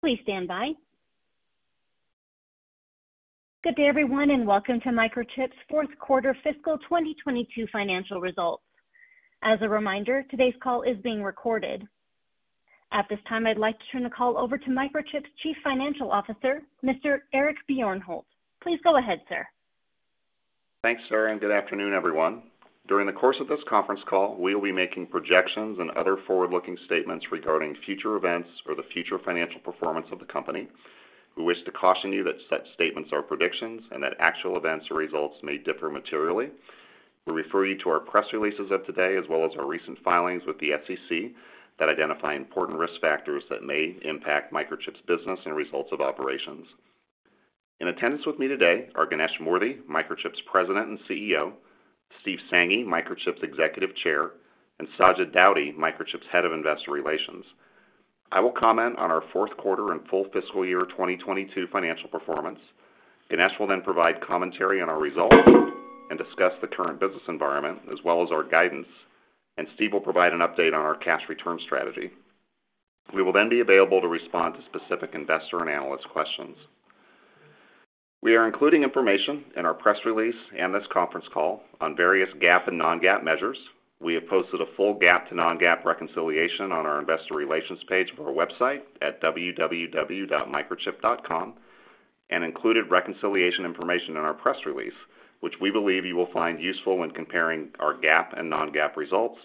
Please stand by. Good day, everyone, and welcome to Microchip's fourth quarter fiscal 2022 financial results. As a reminder, today's call is being recorded. At this time, I'd like to turn the call over to Microchip's Chief Financial Officer, Mr Eric Bjornholt. Please go ahead, sir. Thanks, Sarah, and good afternoon, everyone. During the course of this conference call, we will be making projections and other forward-looking statements regarding future events or the future financial performance of the company. We wish to caution you that such statements are predictions and that actual events or results may differ materially. We refer you to our press releases of today, as well as our recent filings with the SEC that identify important risk factors that may impact Microchip's business and results of operations. In attendance with me today are Ganesh Moorthy, Microchip's President and CEO, Steve Sanghi, Microchip's Executive Chair, and Sajid Daudi, Microchip's Head of Investor Relations. I will comment on our fourth quarter and full fiscal year 2022 financial performance. Ganesh will then provide commentary on our results and discuss the current business environment as well as our guidance. Steve will provide an update on our cash return strategy. We will then be available to respond to specific investor and analyst questions. We are including information in our press release and this conference call on various GAAP and non-GAAP measures. We have posted a full GAAP to non-GAAP reconciliation on our investor relations page of our website at www.microchip.com and included reconciliation information in our press release, which we believe you will find useful when comparing our GAAP and non-GAAP results.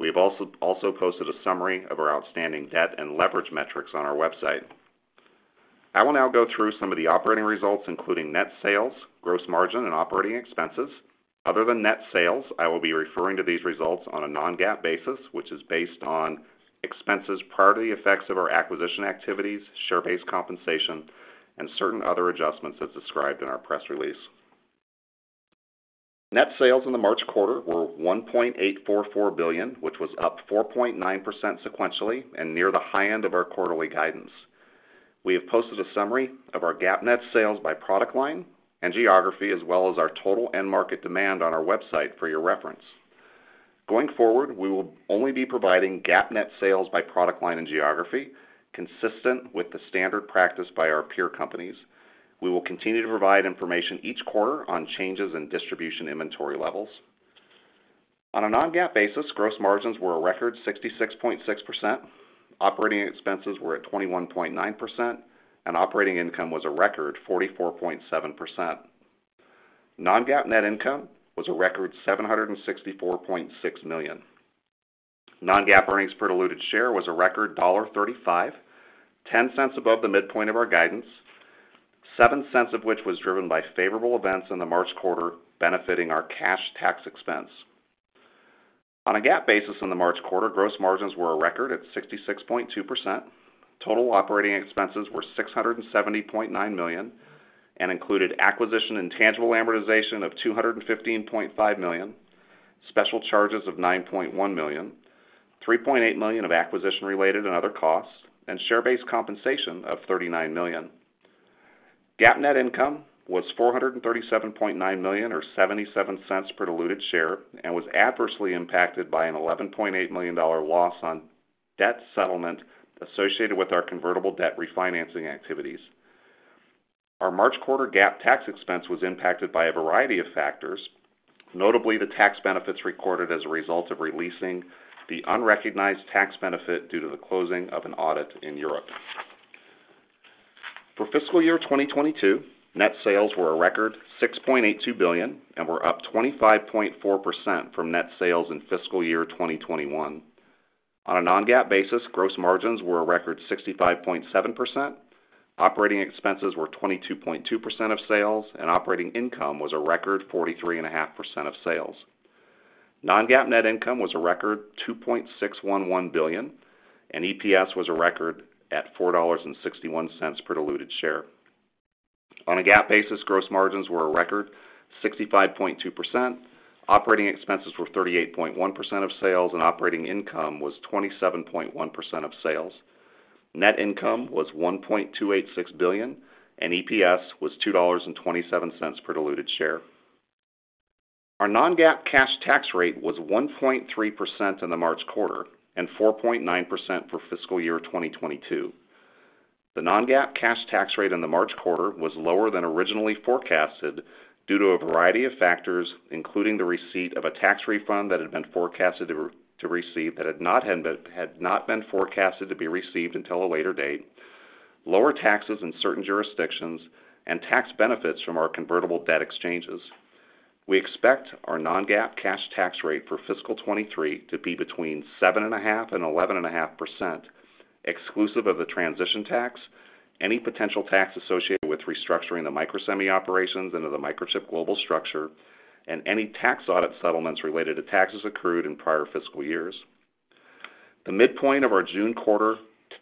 We have also posted a summary of our outstanding debt and leverage metrics on our website. I will now go through some of the operating results, including net sales, gross margin, and operating expenses. Other than net sales, I will be referring to these results on a non-GAAP basis, which is based on expenses prior to the effects of our acquisition activities, share-based compensation, and certain other adjustments as described in our press release. Net sales in the March quarter were $1.844 billion, which was up 4.9% sequentially and near the high end of our quarterly guidance. We have posted a summary of our GAAP net sales by product line and geography, as well as our total end market demand on our website for your reference. Going forward, we will only be providing GAAP net sales by product line and geography, consistent with the standard practice by our peer companies. We will continue to provide information each quarter on changes in distribution inventory levels. On a non-GAAP basis, gross margins were a record 66.6%, operating expenses were at 21.9%, and operating income was a record 44.7%. Non-GAAP net income was a record $764.6 million. Non-GAAP earnings per diluted share was a record $1.35, $0.10 above the midpoint of our guidance, $0.07 of which was driven by favorable events in the March quarter benefiting our cash tax expense. On a GAAP basis in the March quarter, gross margins were a record at 66.2%. Total operating expenses were $670.9 million and included acquisition intangible amortization of $215.5 million, special charges of $9.1 million, $3.8 million of acquisition-related and other costs, and share-based compensation of $39 million. GAAP net income was $437.9 million or $0.77 per diluted share and was adversely impacted by an $11.8 million loss on debt settlement associated with our convertible debt refinancing activities. Our March quarter GAAP tax expense was impacted by a variety of factors, notably the tax benefits recorded as a result of releasing the unrecognized tax benefit due to the closing of an audit in Europe. For fiscal year 2022, net sales were a record $6.82 billion and were up 25.4% from net sales in fiscal year 2021. On a non-GAAP basis, gross margins were a record 65.7%, operating expenses were 22.2% of sales, and operating income was a record 43.5% of sales. Non-GAAP net income was a record $2.611 billion, and EPS was a record at $4.61 per diluted share. On a GAAP basis, gross margins were a record 65.2%, operating expenses were 38.1% of sales, and operating income was 27.1% of sales. Net income was $1.286 billion, and EPS was $2.27 per diluted share. Our non-GAAP cash tax rate was 1.3% in the March quarter and 4.9% for fiscal year 2022. The non-GAAP cash tax rate in the March quarter was lower than originally forecasted due to a variety of factors, including the receipt of a tax refund that had not been forecasted to be received until a later date, lower taxes in certain jurisdictions, and tax benefits from our convertible debt exchanges. We expect our non-GAAP cash tax rate for fiscal 2023 to be between 7.5% and 11.5%, exclusive of the transition tax, any potential tax associated with restructuring the Microsemi operations into the Microchip global structure, and any tax audit settlements related to taxes accrued in prior fiscal years. The midpoint of our June quarter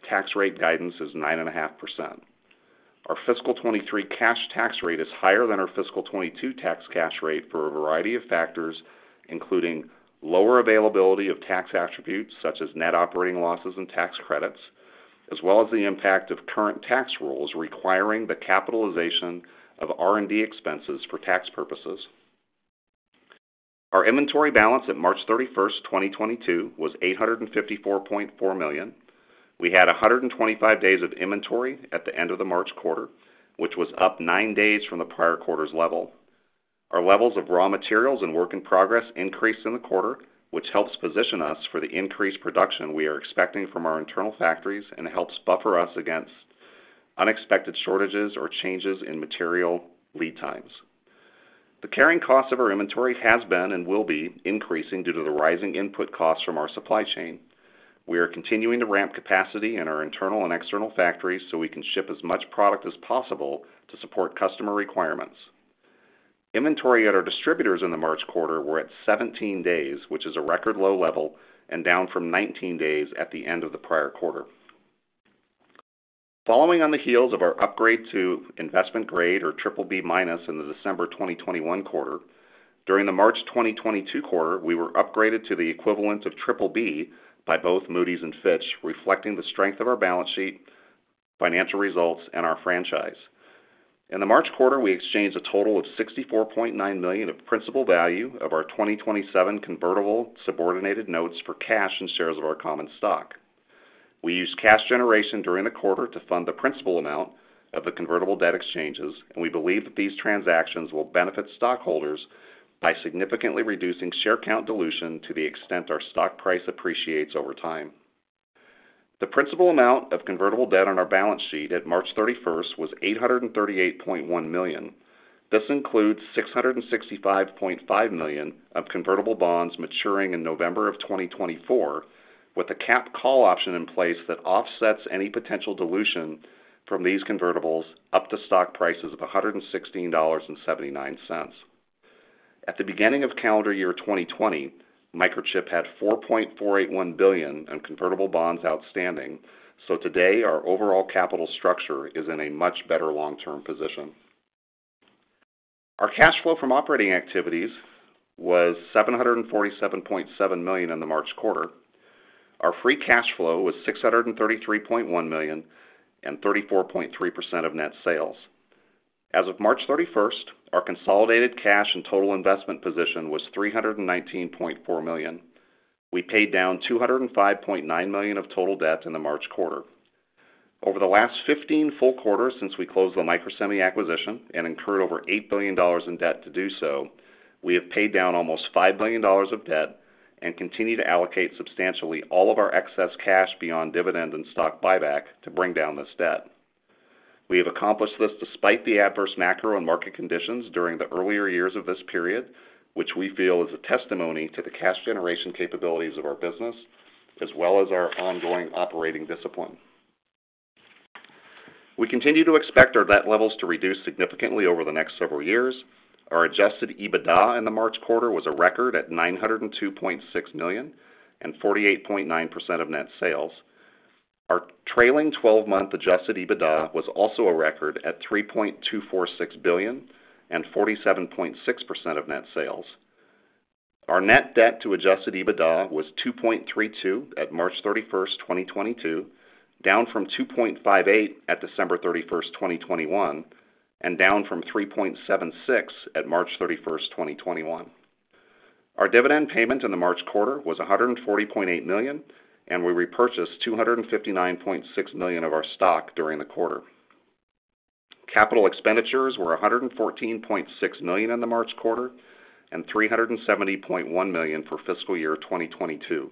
tax rate guidance is 9.5%. Our fiscal 2023 cash tax rate is higher than our fiscal 2022 tax cash rate for a variety of factors, including lower availability of tax attributes such as net operating losses and tax credits, as well as the impact of current tax rules requiring the capitalization of R&D expenses for tax purposes. Our inventory balance at March 31st, 2022 was $854.4 million. We had 125 days of inventory at the end of the March quarter, which was up 9 days from the prior quarter's level. Our levels of raw materials and work in progress increased in the quarter, which helps position us for the increased production we are expecting from our internal factories and helps buffer us against unexpected shortages or changes in material lead times. The carrying cost of our inventory has been and will be increasing due to the rising input costs from our supply chain. We are continuing to ramp capacity in our internal and external factories so we can ship as much product as possible to support customer requirements. Inventory at our distributors in the March quarter were at 17 days, which is a record low level and down from 19 days at the end of the prior quarter. Following on the heels of our upgrade to investment-grade BBB- in the December 2021 quarter, during the March 2022 quarter, we were upgraded to the equivalent of BBB by both Moody's and Fitch, reflecting the strength of our balance sheet, financial results, and our franchise. In the March quarter, we exchanged a total of $64.9 million of principal value of our 2027 convertible subordinated notes for cash and shares of our common stock. We used cash generation during the quarter to fund the principal amount of the convertible debt exchanges, and we believe that these transactions will benefit stockholders by significantly reducing share count dilution to the extent our stock price appreciates over time. The principal amount of convertible debt on our balance sheet at March 31st was $838.1 million. This includes $665.5 million of convertible bonds maturing in November of 2024, with a capped call option in place that offsets any potential dilution from these convertibles up to stock prices of $116.79. At the beginning of calendar year 2020, Microchip had $4.481 billion in convertible bonds outstanding, so today our overall capital structure is in a much better long-term position. Our cash flow from operating activities was $747.7 million in the March quarter. Our free cash flow was $633.1 million and 34.3% of net sales. As of March 31st, our consolidated cash and total investment position was $319.4 million. We paid down $205.9 million of total debt in the March quarter. Over the last 15 full quarters since we closed the Microsemi acquisition and incurred over $8 billion in debt to do so, we have paid down almost $5 billion of debt and continue to allocate substantially all of our excess cash beyond dividend and stock buyback to bring down this debt. We have accomplished this despite the adverse macro and market conditions during the earlier years of this period, which we feel is a testimony to the cash generation capabilities of our business, as well as our ongoing operating discipline. We continue to expect our debt levels to reduce significantly over the next several years. Our adjusted EBITDA in the March quarter was a record at $902.6 million and 48.9% of net sales. Our trailing 12-month adjusted EBITDA was also a record at $3.246 billion and 47.6% of net sales. Our net debt to adjusted EBITDA was 2.32 at March 31st, 2022, down from 2.58 at December 31st, 2021, and down from 3.76 at March 31st, 2021. Our dividend payment in the March quarter was $140.8 million, and we repurchased $259.6 million of our stock during the quarter. Capital expenditures were $114.6 million in the March quarter and $370.1 million for fiscal year 2022.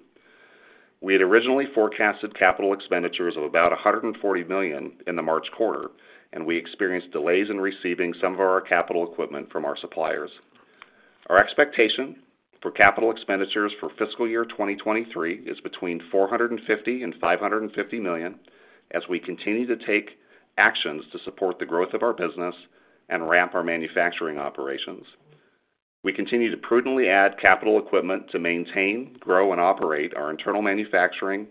We had originally forecasted capital expenditures of about $140 million in the March quarter, and we experienced delays in receiving some of our capital equipment from our suppliers. Our expectation for capital expenditures for fiscal year 2023 is between $450 million and $550 million as we continue to take actions to support the growth of our business and ramp our manufacturing operations. We continue to prudently add capital equipment to maintain, grow, and operate our internal manufacturing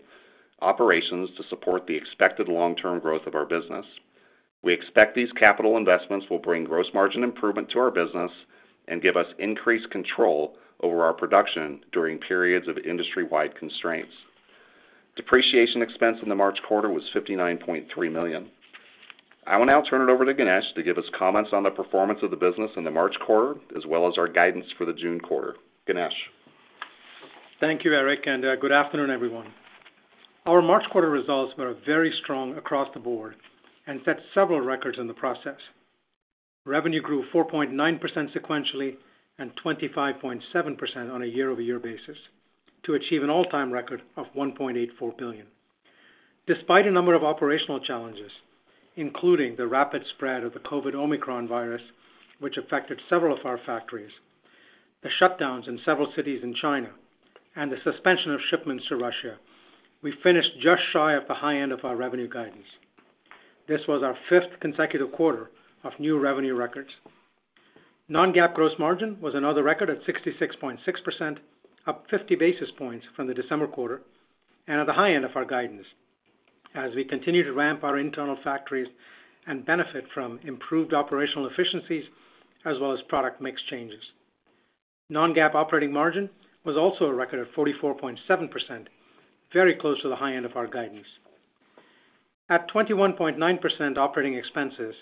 operations to support the expected long-term growth of our business. We expect these capital investments will bring gross margin improvement to our business and give us increased control over our production during periods of industry-wide constraints. Depreciation expense in the March quarter was $59.3 million. I will now turn it over to Ganesh to give us comments on the performance of the business in the March quarter, as well as our guidance for the June quarter. Ganesh? Thank you, Eric, and good afternoon, everyone. Our March quarter results were very strong across the board and set several records in the process. Revenue grew 4.9% sequentially and 25.7% on a year-over-year basis to achieve an all-time record of $1.84 billion. Despite a number of operational challenges, including the rapid spread of the COVID Omicron virus, which affected several of our factories, the shutdowns in several cities in China, and the suspension of shipments to Russia, we finished just shy of the high end of our revenue guidance. This was our fifth consecutive quarter of new revenue records. Non-GAAP gross margin was another record at 66.6%, up 50 basis points from the December quarter and at the high end of our guidance, as we continue to ramp our internal factories and benefit from improved operational efficiencies as well as product mix changes. Non-GAAP operating margin was also a record of 44.7%, very close to the high end of our guidance. At 21.9% operating expenses,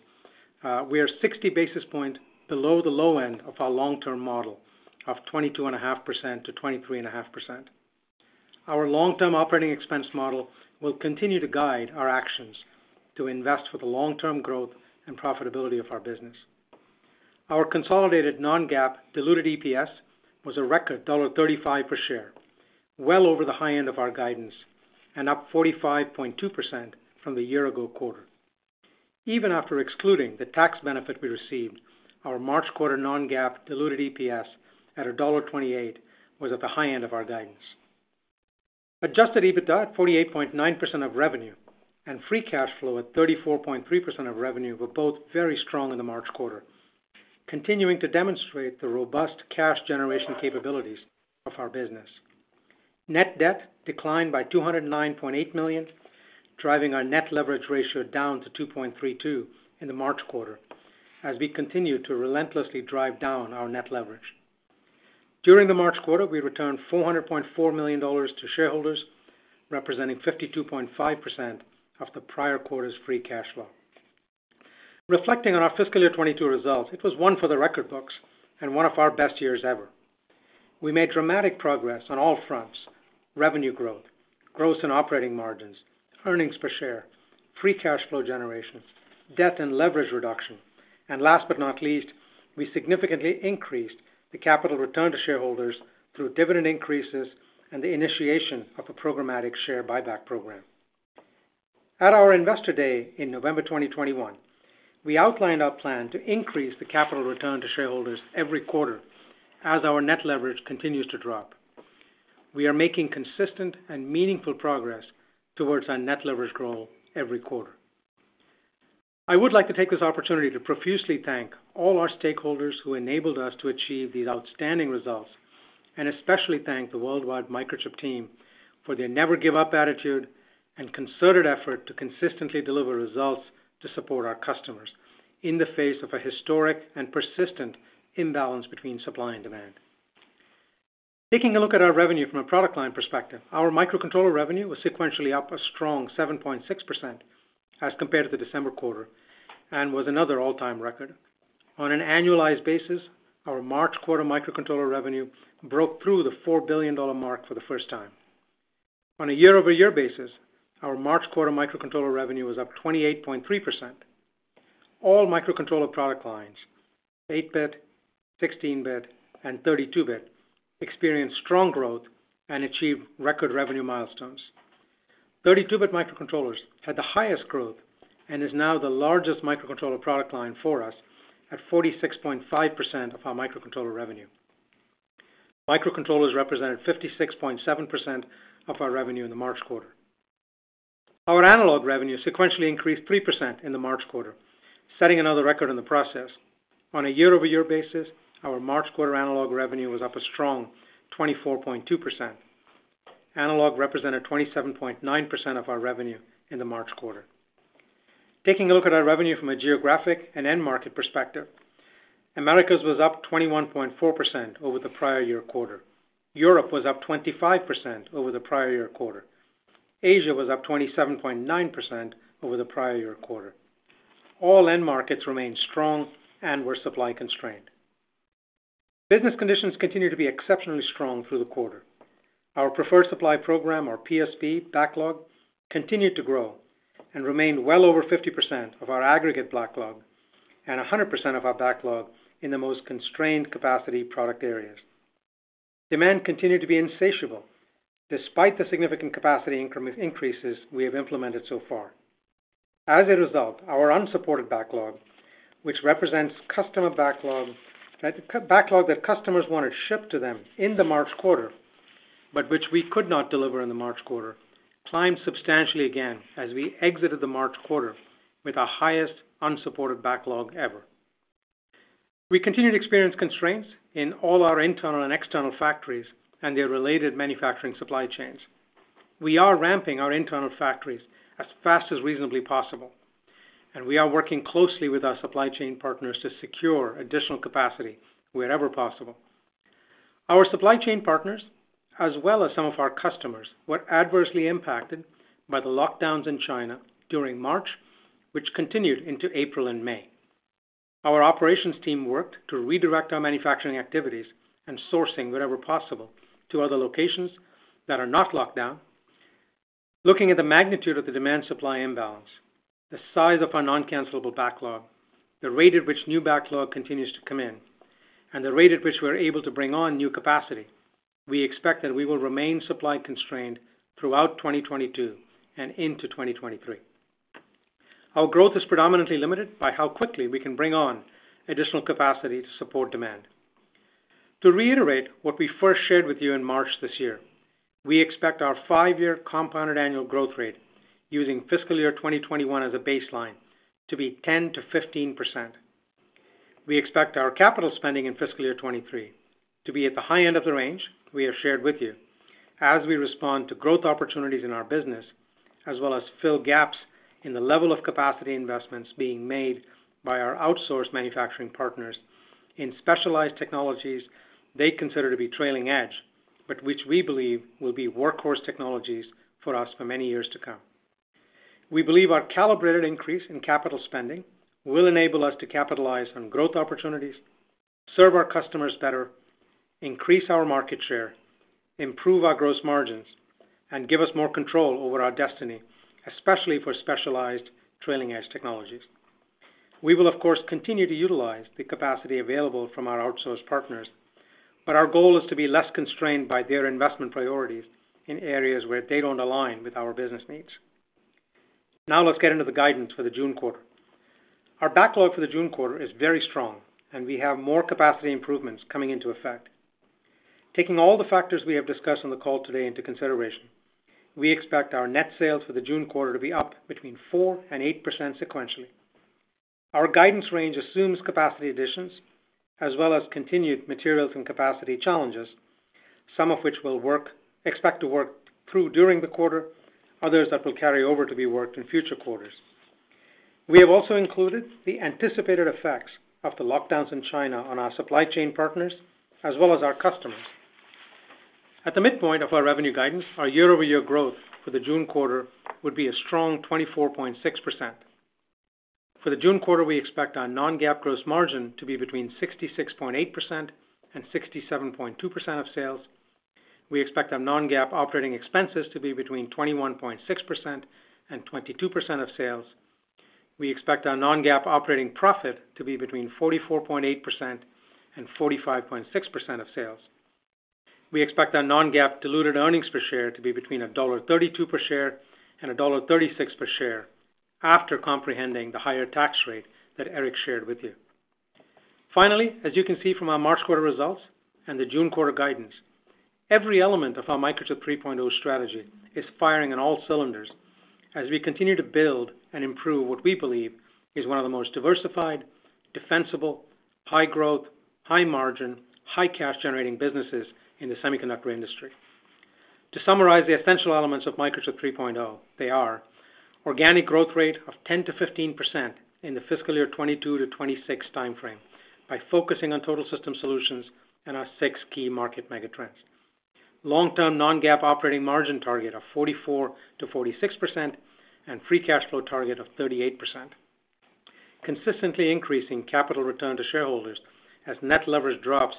we are 60 basis points below the low end of our long-term model of 22.5%-23.5%. Our long-term operating expense model will continue to guide our actions to invest for the long-term growth and profitability of our business. Our consolidated non-GAAP diluted EPS was a record $1.35 per share, well over the high end of our guidance and up 45.2% from the year ago quarter. Even after excluding the tax benefit we received, our March quarter non-GAAP diluted EPS at $1.28 was at the high end of our guidance. Adjusted EBITDA at 48.9% of revenue and free cash flow at 34.3% of revenue were both very strong in the March quarter, continuing to demonstrate the robust cash generation capabilities of our business. Net debt declined by $209.8 million, driving our net leverage ratio down to 2.32 in the March quarter as we continue to relentlessly drive down our net leverage. During the March quarter, we returned $400.4 million to shareholders, representing 52.5% of the prior quarter's free cash flow. Reflecting on our fiscal year 2022 results, it was one for the record books and one of our best years ever. We made dramatic progress on all fronts, revenue growth in operating margins, earnings per share, free cash flow generation, debt and leverage reduction, and last but not least, we significantly increased the capital return to shareholders through dividend increases and the initiation of a programmatic share buyback program. At our Investor Day in November 2021, we outlined our plan to increase the capital return to shareholders every quarter as our net leverage continues to drop. We are making consistent and meaningful progress toward our net leverage goal every quarter. I would like to take this opportunity to profusely thank all our stakeholders who enabled us to achieve these outstanding results, and especially thank the worldwide Microchip team for their never give up attitude and concerted effort to consistently deliver results to support our customers in the face of a historic and persistent imbalance between supply and demand. Taking a look at our revenue from a product line perspective, our microcontroller revenue was sequentially up a strong 7.6% as compared to the December quarter and was another all-time record. On an annualized basis, our March quarter microcontroller revenue broke through the $4 billion mark for the first time. On a year-over-year basis, our March quarter microcontroller revenue was up 28.3%. All microcontroller product lines, 8-bit, 16-bit, and 32-bit, experienced strong growth and achieved record revenue milestones. 32-bit microcontrollers had the highest growth and is now the largest microcontroller product line for us at 46.5% of our microcontroller revenue. Microcontrollers represented 56.7% of our revenue in the March quarter. Our analog revenue sequentially increased 3% in the March quarter, setting another record in the process. On a year-over-year basis, our March quarter analog revenue was up a strong 24.2%. Analog represented 27.9% of our revenue in the March quarter. Taking a look at our revenue from a geographic and end market perspective, Americas was up 21.4% over the prior year quarter. Europe was up 25% over the prior year quarter. Asia was up 27.9% over the prior year quarter. All end markets remained strong and were supply constrained. Business conditions continued to be exceptionally strong through the quarter. Our preferred supply program, or PSP backlog, continued to grow and remained well over 50% of our aggregate backlog and 100% of our backlog in the most constrained capacity product areas. Demand continued to be insatiable despite the significant capacity increment increases we have implemented so far. As a result, our unsupported backlog, which represents customer backlog, that backlog that customers wanted shipped to them in the March quarter, but which we could not deliver in the March quarter, climbed substantially again as we exited the March quarter with our highest unsupported backlog ever. We continued to experience constraints in all our internal and external factories and their related manufacturing supply chains. We are ramping our internal factories as fast as reasonably possible, and we are working closely with our supply chain partners to secure additional capacity wherever possible. Our supply chain partners, as well as some of our customers, were adversely impacted by the lockdowns in China during March, which continued into April and May. Our operations team worked to redirect our manufacturing activities and sourcing wherever possible to other locations that are not locked down. Looking at the magnitude of the demand supply imbalance, the size of our non-cancelable backlog, the rate at which new backlog continues to come in, and the rate at which we're able to bring on new capacity, we expect that we will remain supply constrained throughout 2022 and into 2023. Our growth is predominantly limited by how quickly we can bring on additional capacity to support demand. To reiterate what we first shared with you in March this year, we expect our five-year compounded annual growth rate using fiscal year 2021 as a baseline to be 10%-15%. We expect our capital spending in fiscal year 2023 to be at the high end of the range we have shared with you as we respond to growth opportunities in our business, as well as fill gaps in the level of capacity investments being made by our outsourced manufacturing partners in specialized technologies they consider to be trailing edge, which we believe will be workhorse technologies for us for many years to come. We believe our calibrated increase in capital spending will enable us to capitalize on growth opportunities, serve our customers better, increase our market share, improve our gross margins, and give us more control over our destiny, especially for specialized trailing edge technologies. We will, of course, continue to utilize the capacity available from our outsourced partners, but our goal is to be less constrained by their investment priorities in areas where they don't align with our business needs. Now let's get into the guidance for the June quarter. Our backlog for the June quarter is very strong, and we have more capacity improvements coming into effect. Taking all the factors we have discussed on the call today into consideration, we expect our net sales for the June quarter to be up between 4% and 8% sequentially. Our guidance range assumes capacity additions as well as continued materials and capacity challenges, some of which we expect to work through during the quarter, others that will carry over to be worked in future quarters. We have also included the anticipated effects of the lockdowns in China on our supply chain partners, as well as our customers. At the midpoint of our revenue guidance, our year-over-year growth for the June quarter would be a strong 24.6%. For the June quarter, we expect our non-GAAP gross margin to be between 66.8% and 67.2% of sales. We expect our non-GAAP operating expenses to be between 21.6% and 22% of sales. We expect our non-GAAP operating profit to be between 44.8% and 45.6% of sales. We expect our non-GAAP diluted earnings per share to be between $1.32 per share and $1.36 per share after comprehending the higher tax rate that Eric shared with you. Finally, as you can see from our March quarter results and the June quarter guidance, every element of our Microchip 3.0 strategy is firing on all cylinders as we continue to build and improve what we believe is one of the most diversified, defensible, high growth, high margin, high cash generating businesses in the semiconductor industry. To summarize the essential elements of Microchip 3.0, they are organic growth rate of 10%-15% in the fiscal year 2022-2026 time frame by focusing on Total System Solutions and our six key market megatrends. Long-term non-GAAP operating margin target of 44%-46% and free cash flow target of 38%. Consistently increasing capital return to shareholders as net leverage drops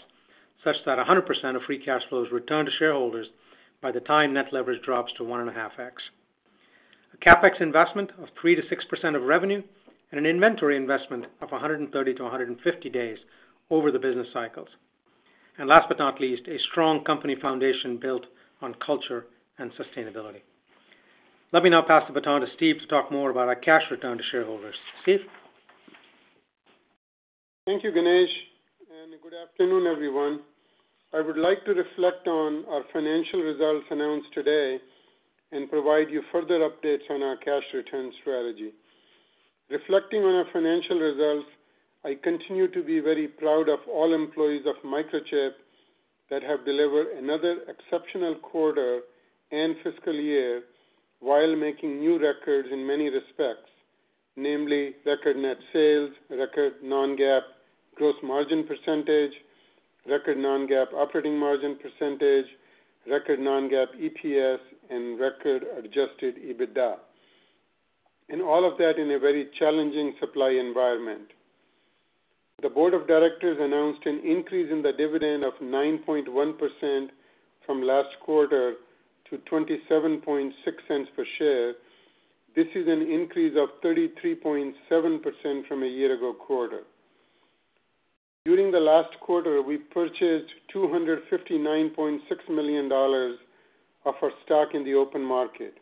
such that 100% of free cash flow is returned to shareholders by the time net leverage drops to 1.5x. A CapEx investment of 3%-6% of revenue and an inventory investment of 130-150 days over the business cycles. Last but not least, a strong company foundation built on culture and sustainability. Let me now pass the baton to Steve to talk more about our cash return to shareholders. Steve? Thank you, Ganesh, and good afternoon, everyone. I would like to reflect on our financial results announced today and provide you further updates on our cash return strategy. Reflecting on our financial results, I continue to be very proud of all employees of Microchip that have delivered another exceptional quarter and fiscal year while making new records in many respects, namely record net sales, record non-GAAP gross margin percentage, record non-GAAP operating margin percentage, record non-GAAP EPS, and record adjusted EBITDA. All of that in a very challenging supply environment. The board of directors announced an increase in the dividend of 9.1% from last quarter to $0.276 per share. This is an increase of 33.7% from a year ago quarter. During the last quarter, we purchased $259.6 million of our stock in the open market.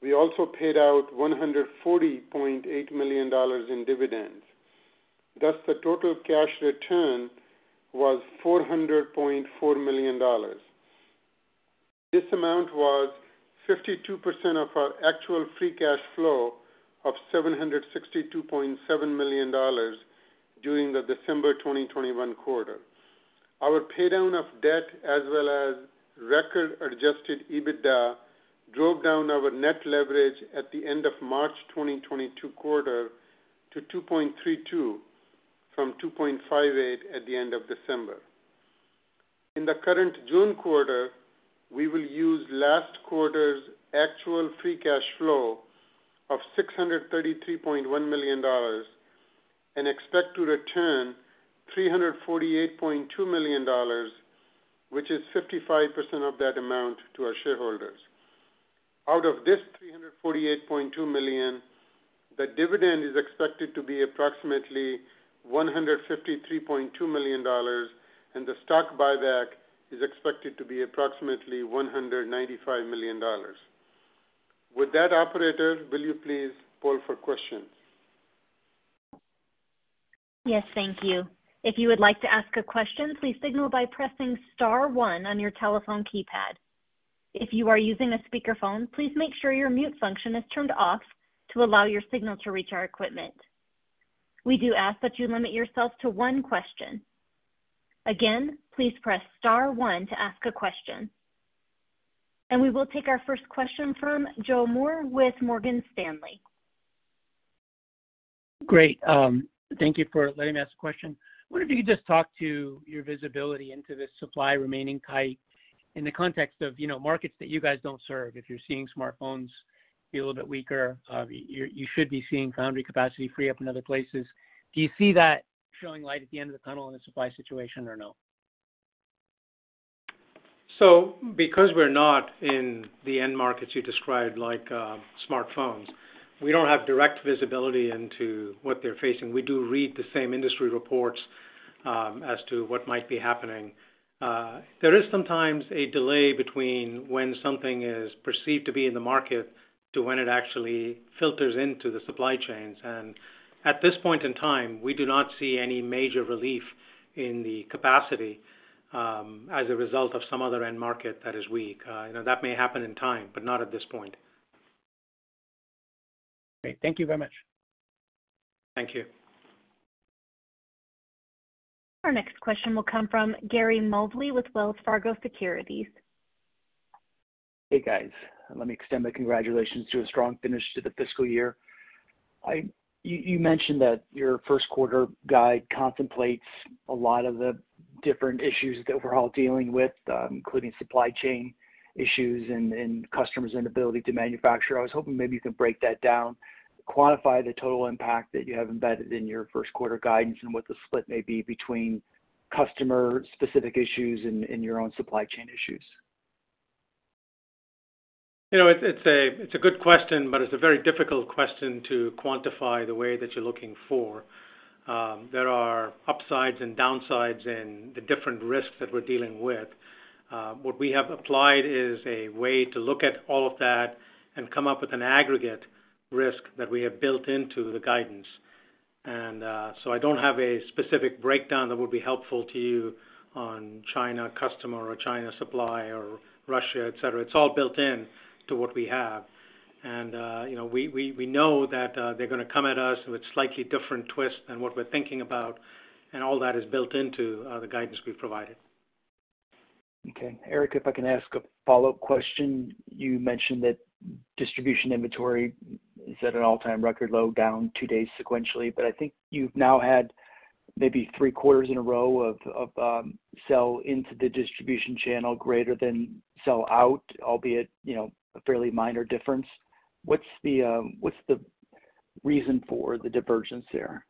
We also paid out $140.8 million in dividends. Thus, the total cash return was $400.4 million. This amount was 52% of our actual free cash flow of $762.7 million during the December 2021 quarter. Our paydown of debt as well as record adjusted EBITDA drove down our net leverage at the end of March 2022 quarter to 2.32 from 2.58 at the end of December. In the current June quarter, we will use last quarter's actual free cash flow of $633.1 million and expect to return $348.2 million, which is 55% of that amount, to our shareholders. Out of this $348.2 million, the dividend is expected to be approximately $153.2 million, and the stock buyback is expected to be approximately $195 million. With that, operator, will you please poll for questions? Yes, thank you. If you would like to ask a question, please signal by pressing star one on your telephone keypad. If you are using a speakerphone, please make sure your mute function is turned off to allow your signal to reach our equipment. We do ask that you limit yourself to one question. Again, please press star one to ask a question. We will take our first question from Joe Moore with Morgan Stanley. Great. Thank you for letting me ask a question. I wonder if you could just talk to your visibility into the supply remaining tight in the context of, you know, markets that you guys don't serve. If you're seeing smartphones be a little bit weaker, you should be seeing foundry capacity free up in other places. Do you see that showing light at the end of the tunnel in the supply situation or no? Because we're not in the end markets you described like smartphones, we don't have direct visibility into what they're facing. We do read the same industry reports as to what might be happening. There is sometimes a delay between when something is perceived to be in the market to when it actually filters into the supply chains. At this point in time, we do not see any major relief in the capacity as a result of some other end market that is weak. You know, that may happen in time, but not at this point. Great. Thank you very much. Thank you. Our next question will come from Gary Mobley with Wells Fargo Securities. Hey, guys. Let me extend my congratulations to a strong finish to the fiscal year. You mentioned that your first quarter guide contemplates a lot of the different issues that we're all dealing with, including supply chain issues and customers' inability to manufacture. I was hoping maybe you could break that down, quantify the total impact that you have embedded in your first quarter guidance and what the split may be between customer-specific issues and your own supply chain issues. You know, it's a good question, but it's a very difficult question to quantify the way that you're looking for. There are upsides and downsides in the different risks that we're dealing with. What we have applied is a way to look at all of that and come up with an aggregate risk that we have built into the guidance. I don't have a specific breakdown that would be helpful to you on China customer or China supply or Russia, et cetera. It's all built into what we have. You know, we know that they're gonna come at us with slightly different twists than what we're thinking about, and all that is built into the guidance we've provided. Okay. Eric, if I can ask a follow-up question. You mentioned that distribution inventory is at an all-time record low down two days sequentially, but I think you've now had maybe three quarters in a row of sell into the distribution channel greater than sell out, albeit, you know, a fairly minor difference. What's the reason for the divergence there?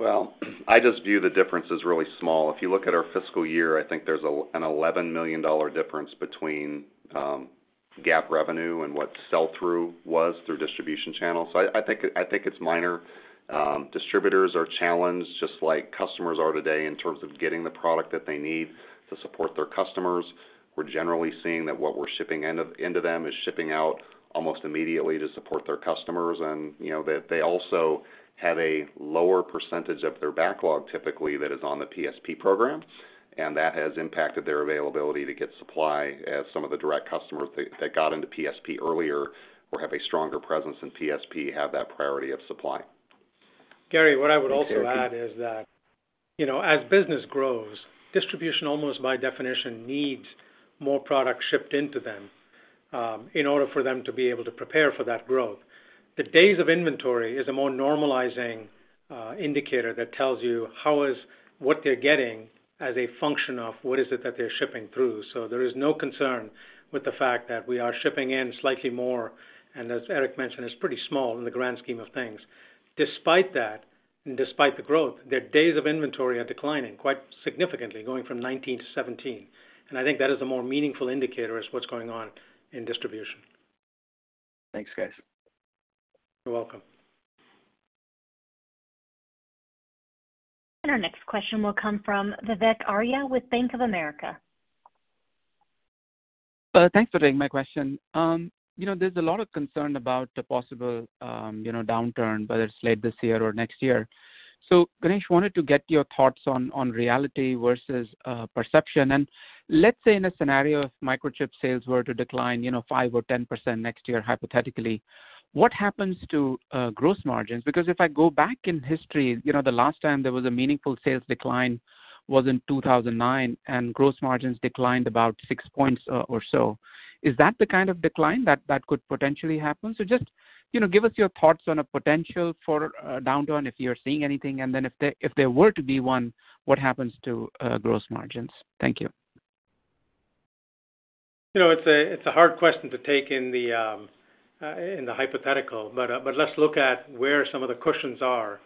Well, I just view the difference as really small. If you look at our fiscal year, I think there's an $11 million difference between GAAP revenue and what sell through was through distribution channels. I think it's minor. Distributors are challenged just like customers are today in terms of getting the product that they need to support their customers. We're generally seeing that what we're shipping into them is shipping out almost immediately to support their customers. You know, they also have a lower percentage of their backlog typically that is on the PSP program, and that has impacted their availability to get supply as some of the direct customers that got into PSP earlier or have a stronger presence in PSP have that priority of supply. Gary, what I would also add is that, you know, as business grows, distribution almost by definition needs more product shipped into them, in order for them to be able to prepare for that growth. The days of inventory is a more normalizing indicator that tells you how is what they're getting as a function of what is it that they're shipping through. So there is no concern with the fact that we are shipping in slightly more, and as Eric mentioned, it's pretty small in the grand scheme of things. Despite that, and despite the growth, their days of inventory are declining quite significantly, going from 19 to 17. I think that is a more meaningful indicator as to what's going on in distribution. Thanks, guys. You're welcome. Our next question will come from Vivek Arya with Bank of America. Thanks for taking my question. You know, there's a lot of concern about the possible, you know, downturn, whether it's late this year or next year. Ganesh, wanted to get your thoughts on reality versus perception. Let's say in a scenario if Microchip sales were to decline, you know, 5% or 10% next year, hypothetically, what happens to gross margins? Because if I go back in history, you know, the last time there was a meaningful sales decline was in 2009, and gross margins declined about six points or so. Is that the kind of decline that could potentially happen? Just, you know, give us your thoughts on a potential for a downturn if you're seeing anything. Then if there were to be one, what happens to gross margins? Thank you. You know, it's a hard question to take in the hypothetical, but let's look at where some of the cushions are,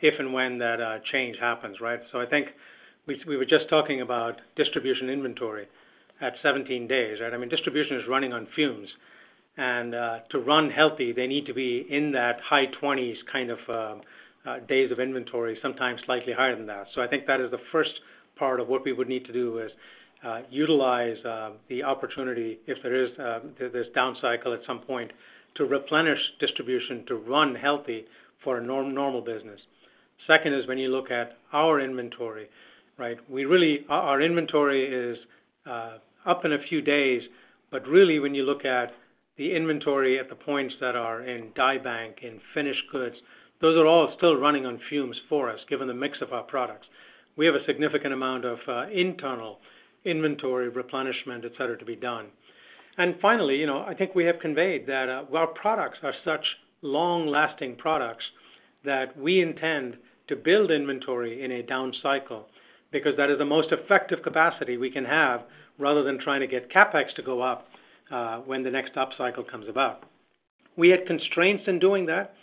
if and when that change happens, right? I think we were just talking about distribution inventory at 17 days, right? I mean, distribution is running on fumes. To run healthy, they need to be in that high 20s kind of days of inventory, sometimes slightly higher than that. I think that is the first part of what we would need to do is utilize the opportunity if there is this down cycle at some point to replenish distribution to run healthy for a normal business. Second is when you look at our inventory, right? Our inventory is up in a few days, but really when you look at the inventory at the points that are in die bank, in finished goods, those are all still running on fumes for us, given the mix of our products. We have a significant amount of internal inventory replenishment, et cetera, to be done. Finally, you know, I think we have conveyed that our products are such long-lasting products that we intend to build inventory in a down cycle because that is the most effective capacity we can have rather than trying to get CapEx to go up when the next upcycle comes about. We had constraints in doing that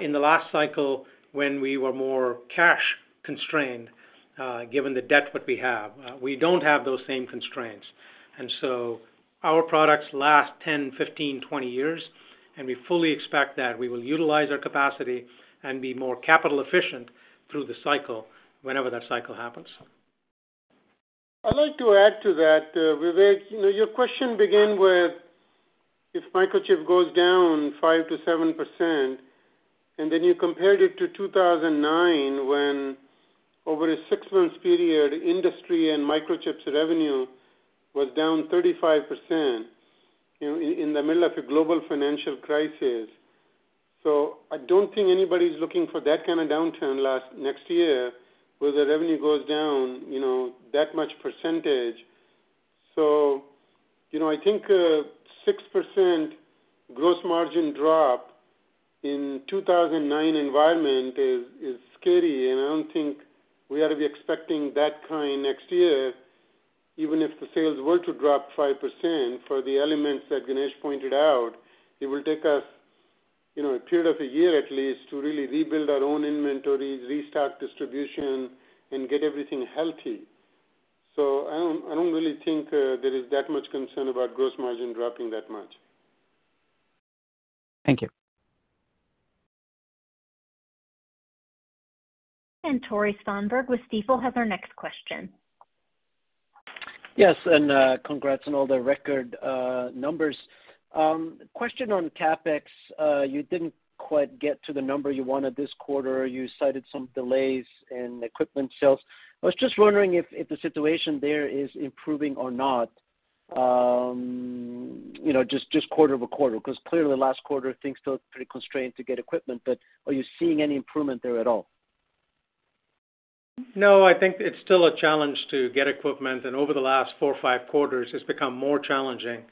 in the last cycle when we were more cash constrained given the debt that we have. We don't have those same constraints. Our products last 10, 15, 20 years, and we fully expect that we will utilize our capacity and be more capital efficient through the cycle whenever that cycle happens. I'd like to add to that, Vivek. You know, your question began with if Microchip goes down 5%-7%, and then you compared it to 2009, when over a six-month period, industry and Microchip's revenue was down 35% in the middle of a global financial crisis. I don't think anybody's looking for that kind of downturn next year, where the revenue goes down, you know, that much percentage. You know, I think a 6% gross margin drop in 2009 environment is scary, and I don't think we ought to be expecting that kind next year, even if the sales were to drop 5% for the elements that Ganesh pointed out. It will take us, you know, a period of a year at least to really rebuild our own inventory, restart distribution, and get everything healthy. I don't really think there is that much concern about gross margin dropping that much. Thank you. Tore Svanberg with Stifel has our next question. Yes, congrats on all the record numbers. Question on CapEx. You didn't quite get to the number you wanted this quarter. You cited some delays in equipment sales. I was just wondering if the situation there is improving or not, you know, just quarter-over-quarter, because clearly last quarter things felt pretty constrained to get equipment, but are you seeing any improvement there at all? No, I think it's still a challenge to get equipment, and over the last four or five quarters, it's become more challenging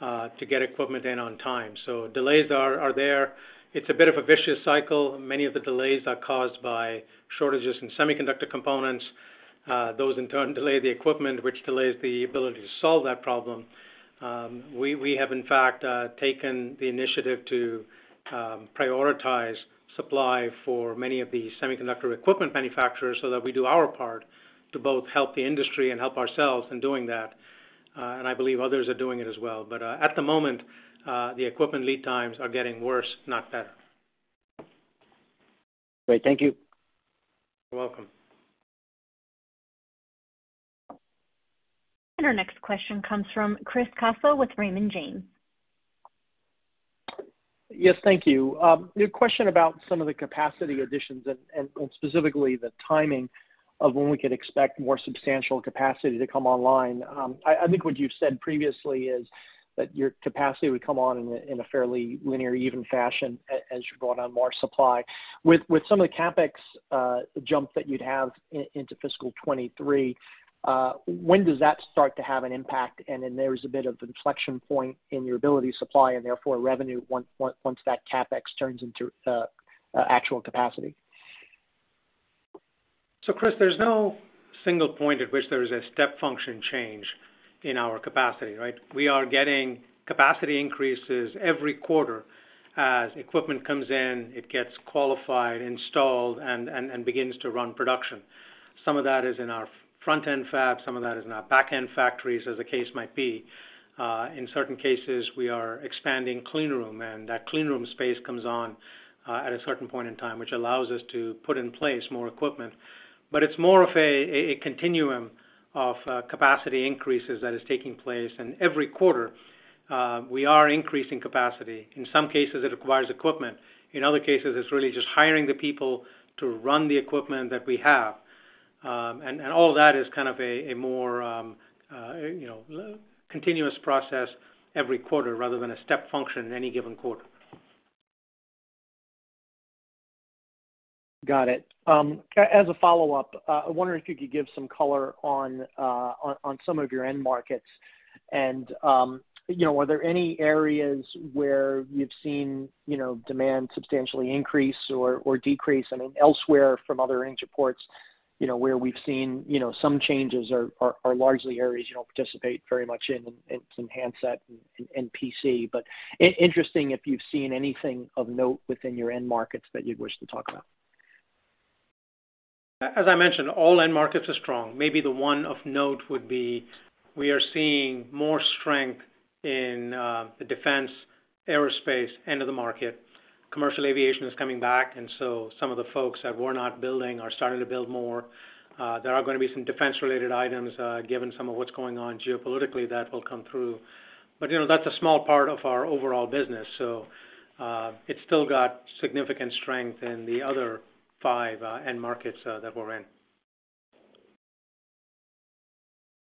to get equipment in on time. Delays are there. It's a bit of a vicious cycle. Many of the delays are caused by shortages in semiconductor components. Those in turn delay the equipment, which delays the ability to solve that problem. We have in fact taken the initiative to prioritize supply for many of the semiconductor equipment manufacturers so that we do our part to both help the industry and help ourselves in doing that. I believe others are doing it as well. At the moment, the equipment lead times are getting worse, not better. Great. Thank you. You're welcome. Our next question comes from Chris Caso with Raymond James. Yes, thank you. New question about some of the capacity additions and specifically the timing of when we could expect more substantial capacity to come online. I think what you've said previously is that your capacity would come on in a fairly linear, even fashion as you brought on more supply. With some of the CapEx jump that you'd have into fiscal 2023, when does that start to have an impact? Then there's a bit of an inflection point in your ability to supply and therefore revenue once that CapEx turns into actual capacity. Chris, there's no single point at which there is a step function change in our capacity, right? We are getting capacity increases every quarter as equipment comes in, it gets qualified, installed and begins to run production. Some of that is in our front-end fab, some of that is in our back-end factories, as the case might be. In certain cases, we are expanding clean room, and that clean room space comes on at a certain point in time, which allows us to put in place more equipment. It's more of a continuum of capacity increases that is taking place. Every quarter, we are increasing capacity. In some cases, it requires equipment. In other cases, it's really just hiring the people to run the equipment that we have. All that is kind of a more continuous process every quarter rather than a step function in any given quarter. Got it. As a follow-up, I wonder if you could give some color on some of your end markets. You know, are there any areas where you've seen, you know, demand substantially increase or decrease? I mean, elsewhere from other industry reports, you know, where we've seen, you know, some changes are largely areas you don't participate very much in some handset and PC. Interesting if you've seen anything of note within your end markets that you'd wish to talk about. As I mentioned, all end markets are strong. Maybe the one of note would be we are seeing more strength in the defense aerospace end of the market. Commercial aviation is coming back, and so some of the folks that were not building are starting to build more. There are gonna be some defense-related items, given some of what's going on geopolitically that will come through. You know, that's a small part of our overall business, so, it's still got significant strength in the other five end markets that we're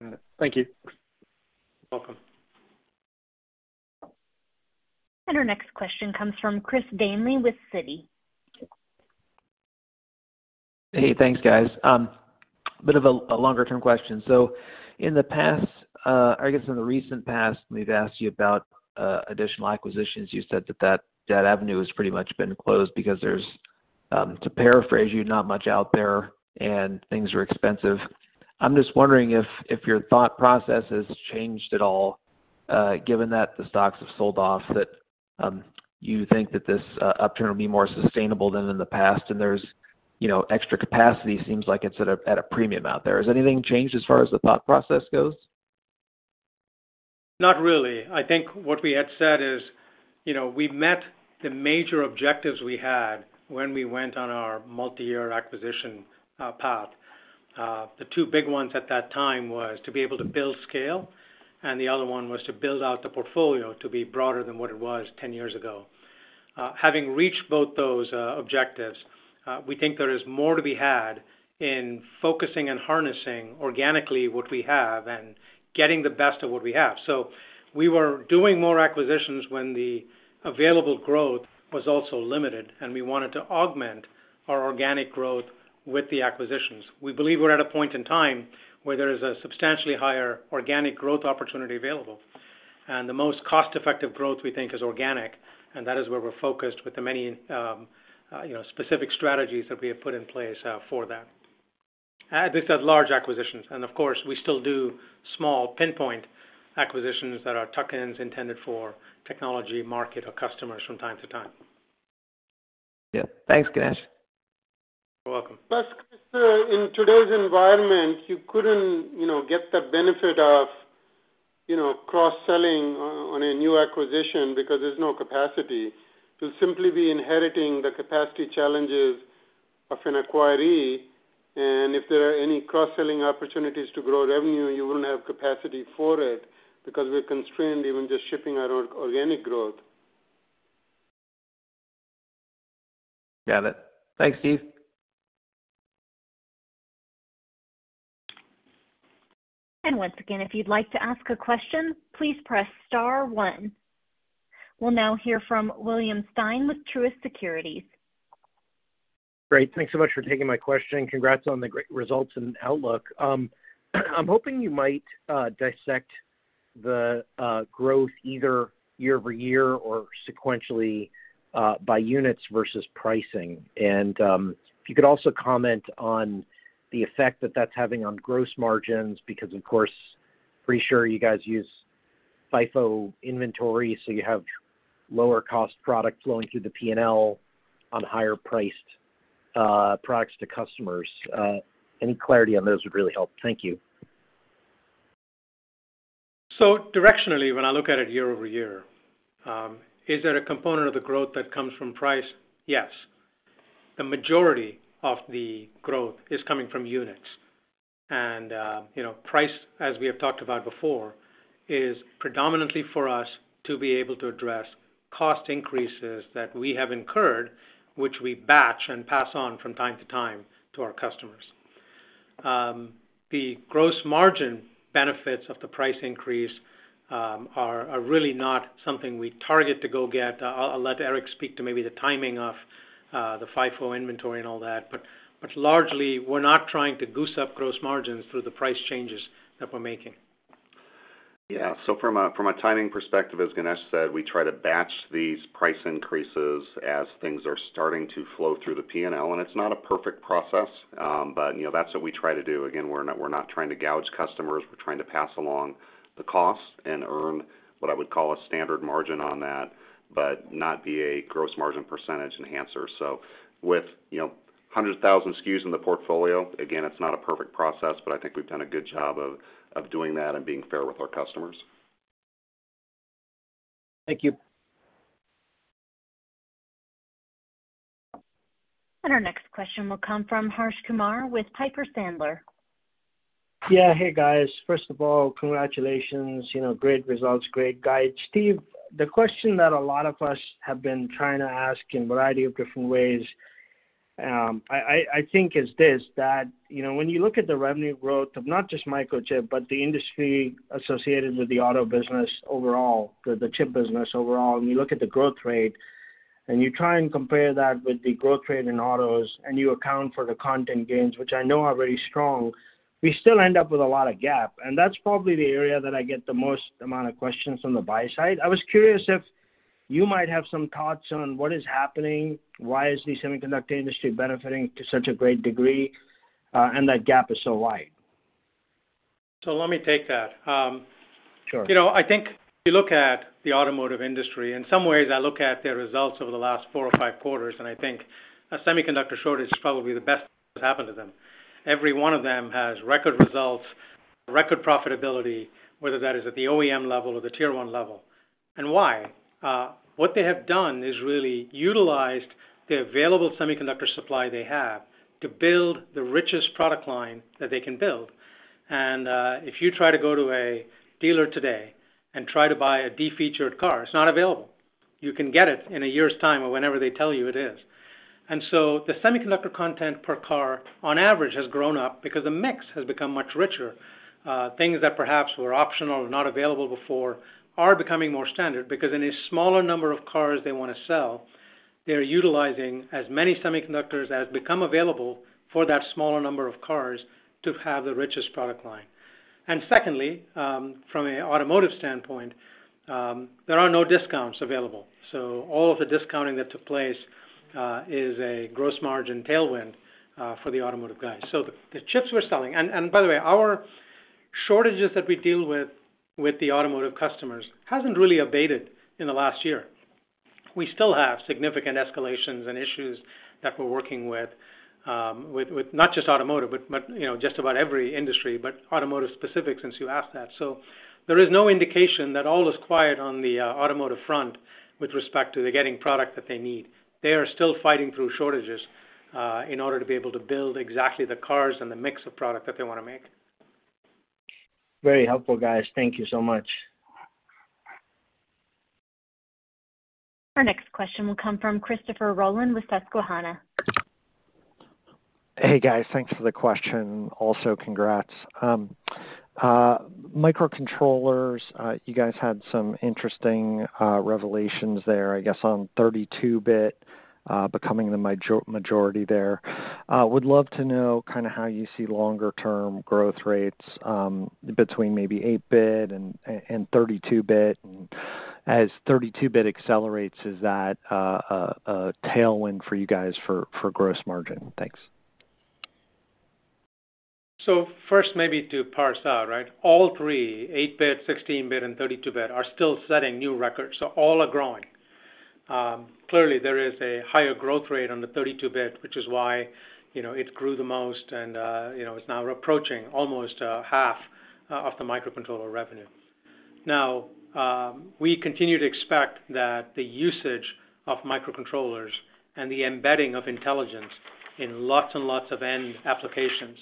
in. Thank you. Welcome. Our next question comes from Chris Danley with Citi. Hey, thanks, guys. A longer-term question. In the past, I guess in the recent past, we've asked you about additional acquisitions. You said that avenue has pretty much been closed because there's, to paraphrase you, not much out there, and things are expensive. I'm just wondering if your thought process has changed at all, given that the stocks have sold off, that you think that this upturn will be more sustainable than in the past, and there's extra capacity seems like it's at a premium out there. Has anything changed as far as the thought process goes? Not really. I think what we had said is, you know, we met the major objectives we had when we went on our multi-year acquisition path. The two big ones at that time was to be able to build scale, and the other one was to build out the portfolio to be broader than what it was 10 years ago. Having reached both those objectives, we think there is more to be had in focusing and harnessing organically what we have and getting the best of what we have. So we were doing more acquisitions when the available growth was also limited, and we wanted to augment our organic growth with the acquisitions. We believe we're at a point in time where there is a substantially higher organic growth opportunity available. The most cost-effective growth we think is organic, and that is where we're focused with the many, you know, specific strategies that we have put in place, for that. We have large acquisitions and of course, we still do small pinpoint acquisitions that are tuck-ins intended for technology market or customers from time to time. Yeah. Thanks, Ganesh. You're welcome. Plus, in today's environment, you couldn't, you know, get the benefit of, you know, cross-selling on a new acquisition because there's no capacity. You'll simply be inheriting the capacity challenges of an acquiree, and if there are any cross-selling opportunities to grow revenue, you wouldn't have capacity for it because we're constrained even just shipping our organic growth. Got it. Thanks, Steve. Once again, if you'd like to ask a question, please press star one. We'll now hear from William Stein with Truist Securities. Great. Thanks so much for taking my question. Congrats on the great results and outlook. I'm hoping you might dissect the growth either year-over-year or sequentially by units versus pricing. If you could also comment on the effect that that's having on gross margins because, of course, pretty sure you guys use FIFO inventory, so you have lower cost product flowing through the P&L on higher priced products to customers. Any clarity on those would really help. Thank you. Directionally, when I look at it year-over-year, is there a component of the growth that comes from price? Yes. The majority of the growth is coming from units. You know, price, as we have talked about before, is predominantly for us to be able to address cost increases that we have incurred, which we batch and pass on from time to time to our customers. The gross margin benefits of the price increase are really not something we target to go get. I'll let Eric speak to maybe the timing of the FIFO inventory and all that. But largely, we're not trying to goose up gross margins through the price changes that we're making. Yeah. From a timing perspective, as Ganesh said, we try to batch these price increases as things are starting to flow through the P&L. It's not a perfect process, but you know, that's what we try to do. Again, we're not trying to gouge customers. We're trying to pass along the cost and earn what I would call a standard margin on that, but not be a gross margin percentage enhancer. With you know, 100,000 SKUs in the portfolio, again, it's not a perfect process, but I think we've done a good job of doing that and being fair with our customers. Thank you. Our next question will come from Harsh Kumar with Piper Sandler. Yeah. Hey, guys. First of all, congratulations. You know, great results, great guide. Steve, the question that a lot of us have been trying to ask in a variety of different ways, I think is this, that, you know, when you look at the revenue growth of not just Microchip, but the industry associated with the auto business overall, the chip business overall, and you look at the growth rate, and you try and compare that with the growth rate in autos and you account for the content gains, which I know are very strong, we still end up with a lot of gap. That's probably the area that I get the most amount of questions from the buy side. I was curious if you might have some thoughts on what is happening, why is the semiconductor industry benefiting to such a great degree, and that gap is so wide? Let me take that. Sure. You know, I think if you look at the automotive industry, in some ways, I look at their results over the last four or five quarters, and I think a semiconductor shortage is probably the best thing that's happened to them. Every one of them has record results, record profitability, whether that is at the OEM level or the tier one level. Why? What they have done is really utilized the available semiconductor supply they have to build the richest product line that they can build. If you try to go to a dealer today and try to buy a de-featured car, it's not available. You can get it in a year's time or whenever they tell you it is. The semiconductor content per car on average has grown up because the mix has become much richer. Things that perhaps were optional or not available before are becoming more standard because in a smaller number of cars they wanna sell, they are utilizing as many semiconductors as become available for that smaller number of cars to have the richest product line. Secondly, from an automotive standpoint, there are no discounts available. All of the discounting that took place is a gross margin tailwind for the automotive guys. The chips we're selling. By the way, our shortages that we deal with the automotive customers hasn't really abated in the last year. We still have significant escalations and issues that we're working with not just automotive, but you know, just about every industry, but automotive specific, since you asked that. There is no indication that all is quiet on the automotive front with respect to the getting product that they need. They are still fighting through shortages in order to be able to build exactly the cars and the mix of product that they wanna make. Very helpful, guys. Thank you so much. Our next question will come from Christopher Rolland with Susquehanna. Hey, guys. Thanks for the question. Also, congrats. Microcontrollers, you guys had some interesting revelations there, I guess, on 32-bit becoming the majority there. Would love to know kinda how you see longer term growth rates between maybe 8-bit and 32-bit. As 32-bit accelerates, is that a tailwind for you guys for gross margin? Thanks. First maybe to parse out, right? All three, 8-bit, 16-bit, and 32-bit, are still setting new records, so all are growing. Clearly there is a higher growth rate on the 32-bit, which is why, you know, it grew the most and, you know, it's now approaching almost half of the microcontroller revenue. Now, we continue to expect that the usage of microcontrollers and the embedding of intelligence in lots and lots of end applications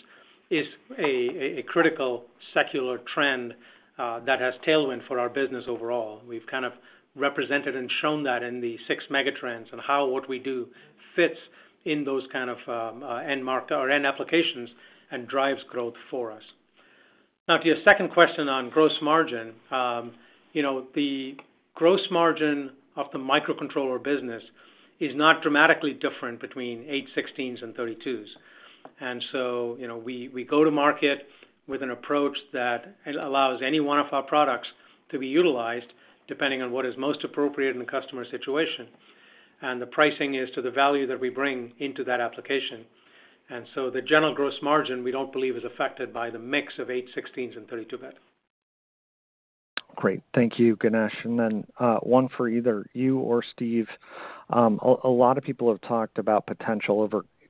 is a critical secular trend that has tailwind for our business overall. We've kind of represented and shown that in the six mega trends and how what we do fits in those kind of or end applications and drives growth for us. Now to your second question on gross margin, you know, the gross margin of the microcontroller business is not dramatically different between 8, 16s, and 32s. You know, we go to market with an approach that allows any one of our products to be utilized depending on what is most appropriate in the customer situation. The pricing is to the value that we bring into that application. The general gross margin, we don't believe is affected by the mix of 8, 16s, and 32-bit. Great. Thank you, Ganesh. One for either you or Steve. A lot of people have talked about potential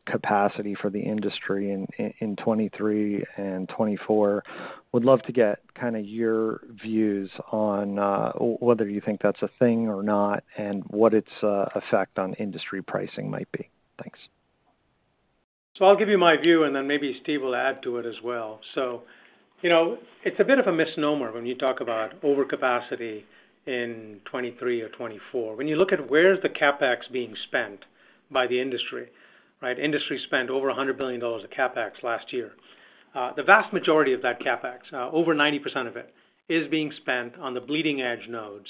overcapacity for the industry in 2023 and 2024. Would love to get kinda your views on whether you think that's a thing or not and what its effect on industry pricing might be. Thanks. I'll give you my view, and then maybe Steve will add to it as well. You know, it's a bit of a misnomer when you talk about overcapacity in 2023 or 2024. When you look at where's the CapEx being spent by the industry, right? Industry spent over $100 billion of CapEx last year. The vast majority of that CapEx, over 90% of it, is being spent on the bleeding-edge nodes.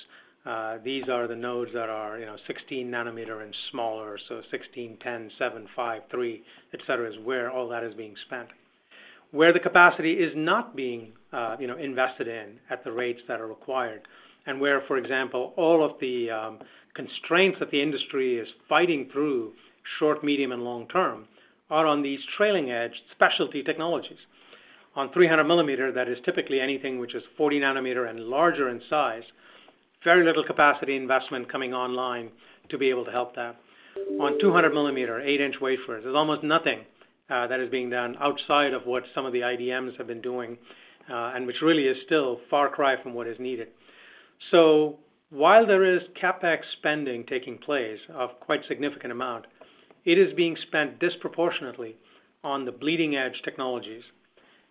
These are the nodes that are, you know, 16 nanometer and smaller, so 16, 10, 7, 5, 3, etc., is where all that is being spent. Where the capacity is not being, you know, invested in at the rates that are required and where, for example, all of the constraints that the industry is fighting through short, medium, and long term are on these trailing edge specialty technologies. On 300 millimeter, that is typically anything which is 40 nanometer and larger in size, very little capacity investment coming online to be able to help that. On 200 millimeter, eight-inch wafers, there's almost nothing that is being done outside of what some of the IDMs have been doing, and which really is still a far cry from what is needed. While there is CapEx spending taking place of quite significant amount, it is being spent disproportionately on the bleeding-edge technologies,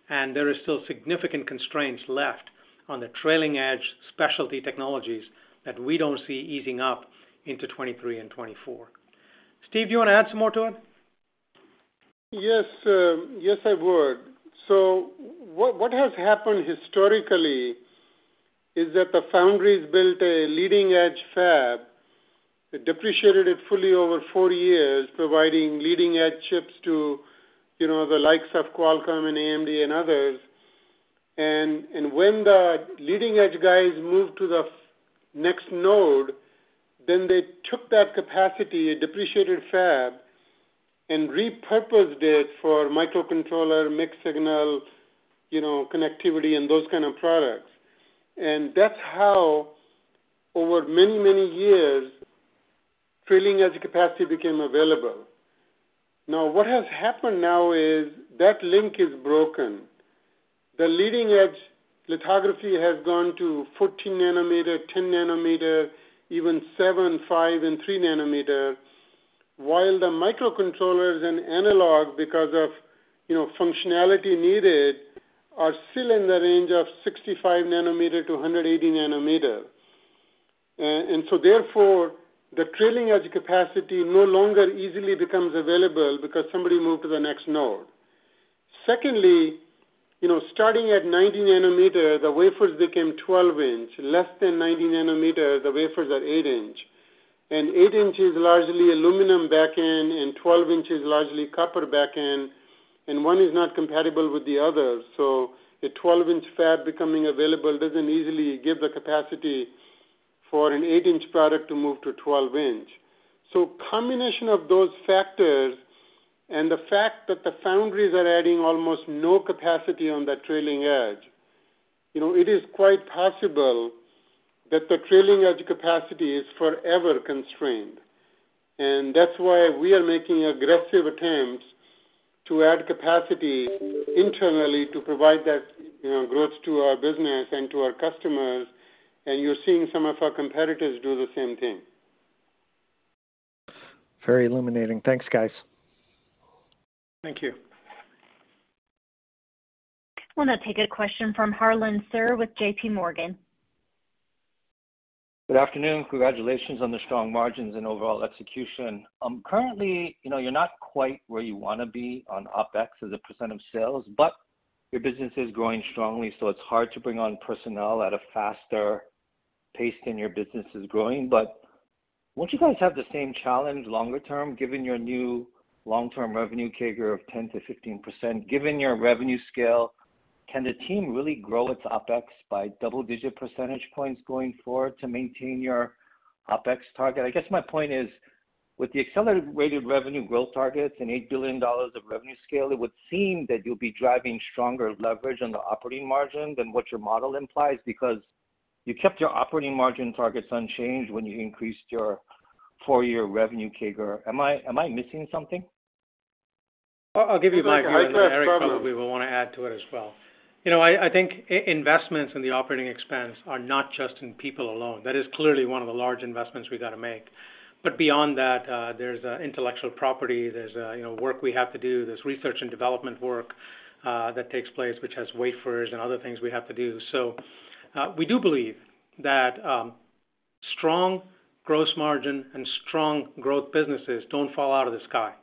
and there is still significant constraints left on the trailing edge specialty technologies that we don't see easing up into 2023 and 2024. Steve, do you wanna add some more to it? Yes, yes, I would. What has happened historically is that the foundries built a leading-edge fab. It depreciated it fully over 40 years, providing leading-edge chips to, you know, the likes of Qualcomm and AMD and others. When the leading-edge guys moved to the next node, then they took that capacity, a depreciated fab, and repurposed it for microcontroller, mixed signal, you know, connectivity and those kind of products. That's how over many years trailing-edge capacity became available. Now, what has happened now is that link is broken. The leading-edge lithography has gone to 14 nanometer, 10 nanometer, even 7, 5, and 3 nanometer. While the microcontrollers and analog, because of, you know, functionality needed, are still in the range of 65-nanometer to 180-nanometer. Therefore, the trailing edge capacity no longer easily becomes available because somebody moved to the next node. Secondly, you know, starting at 90 nanometer, the wafers became 12-inch. Less than 90 nanometer, the wafers are 8-inch. Eight inch is largely aluminum back-end, and 12-inch is largely copper back-end, and one is not compatible with the other. The 12-inch fab becoming available doesn't easily give the capacity for an 8-inch product to move to 12-inch. Combination of those factors and the fact that the foundries are adding almost no capacity on the trailing edge, you know, it is quite possible that the trailing edge capacity is forever constrained. That's why we are making aggressive attempts to add capacity internally to provide that, you know, growth to our business and to our customers, and you're seeing some of our competitors do the same thing. Very illuminating. Thanks, guys. Thank you. We'll now take a question from Harlan Sur with JP Morgan. Good afternoon. Congratulations on the strong margins and overall execution. Currently, you know, you're not quite where you wanna be on OpEx as a % of sales, but your business is growing strongly, so it's hard to bring on personnel at a faster pace than your business is growing. Won't you guys have the same challenge longer term, given your new long-term revenue CAGR of 10%-15%? Given your revenue scale, can the team really grow its OpEx by double-digit percentage points going forward to maintain your OpEx target? I guess my point is, with the accelerated rated revenue growth targets and $8 billion of revenue scale, it would seem that you'll be driving stronger leverage on the operating margin than what your model implies because you kept your operating margin targets unchanged when you increased your four-year revenue CAGR. Am I missing something? I'll give you my view, and then Eric probably will wanna add to it as well. You know, I think investments in the operating expense are not just in people alone. That is clearly one of the large investments we've got to make. Beyond that, there's intellectual property, there's you know, work we have to do, there's research and development work that takes place, which has wafers and other things we have to do. We do believe that strong gross margin and strong growth businesses don't fall out of the sky.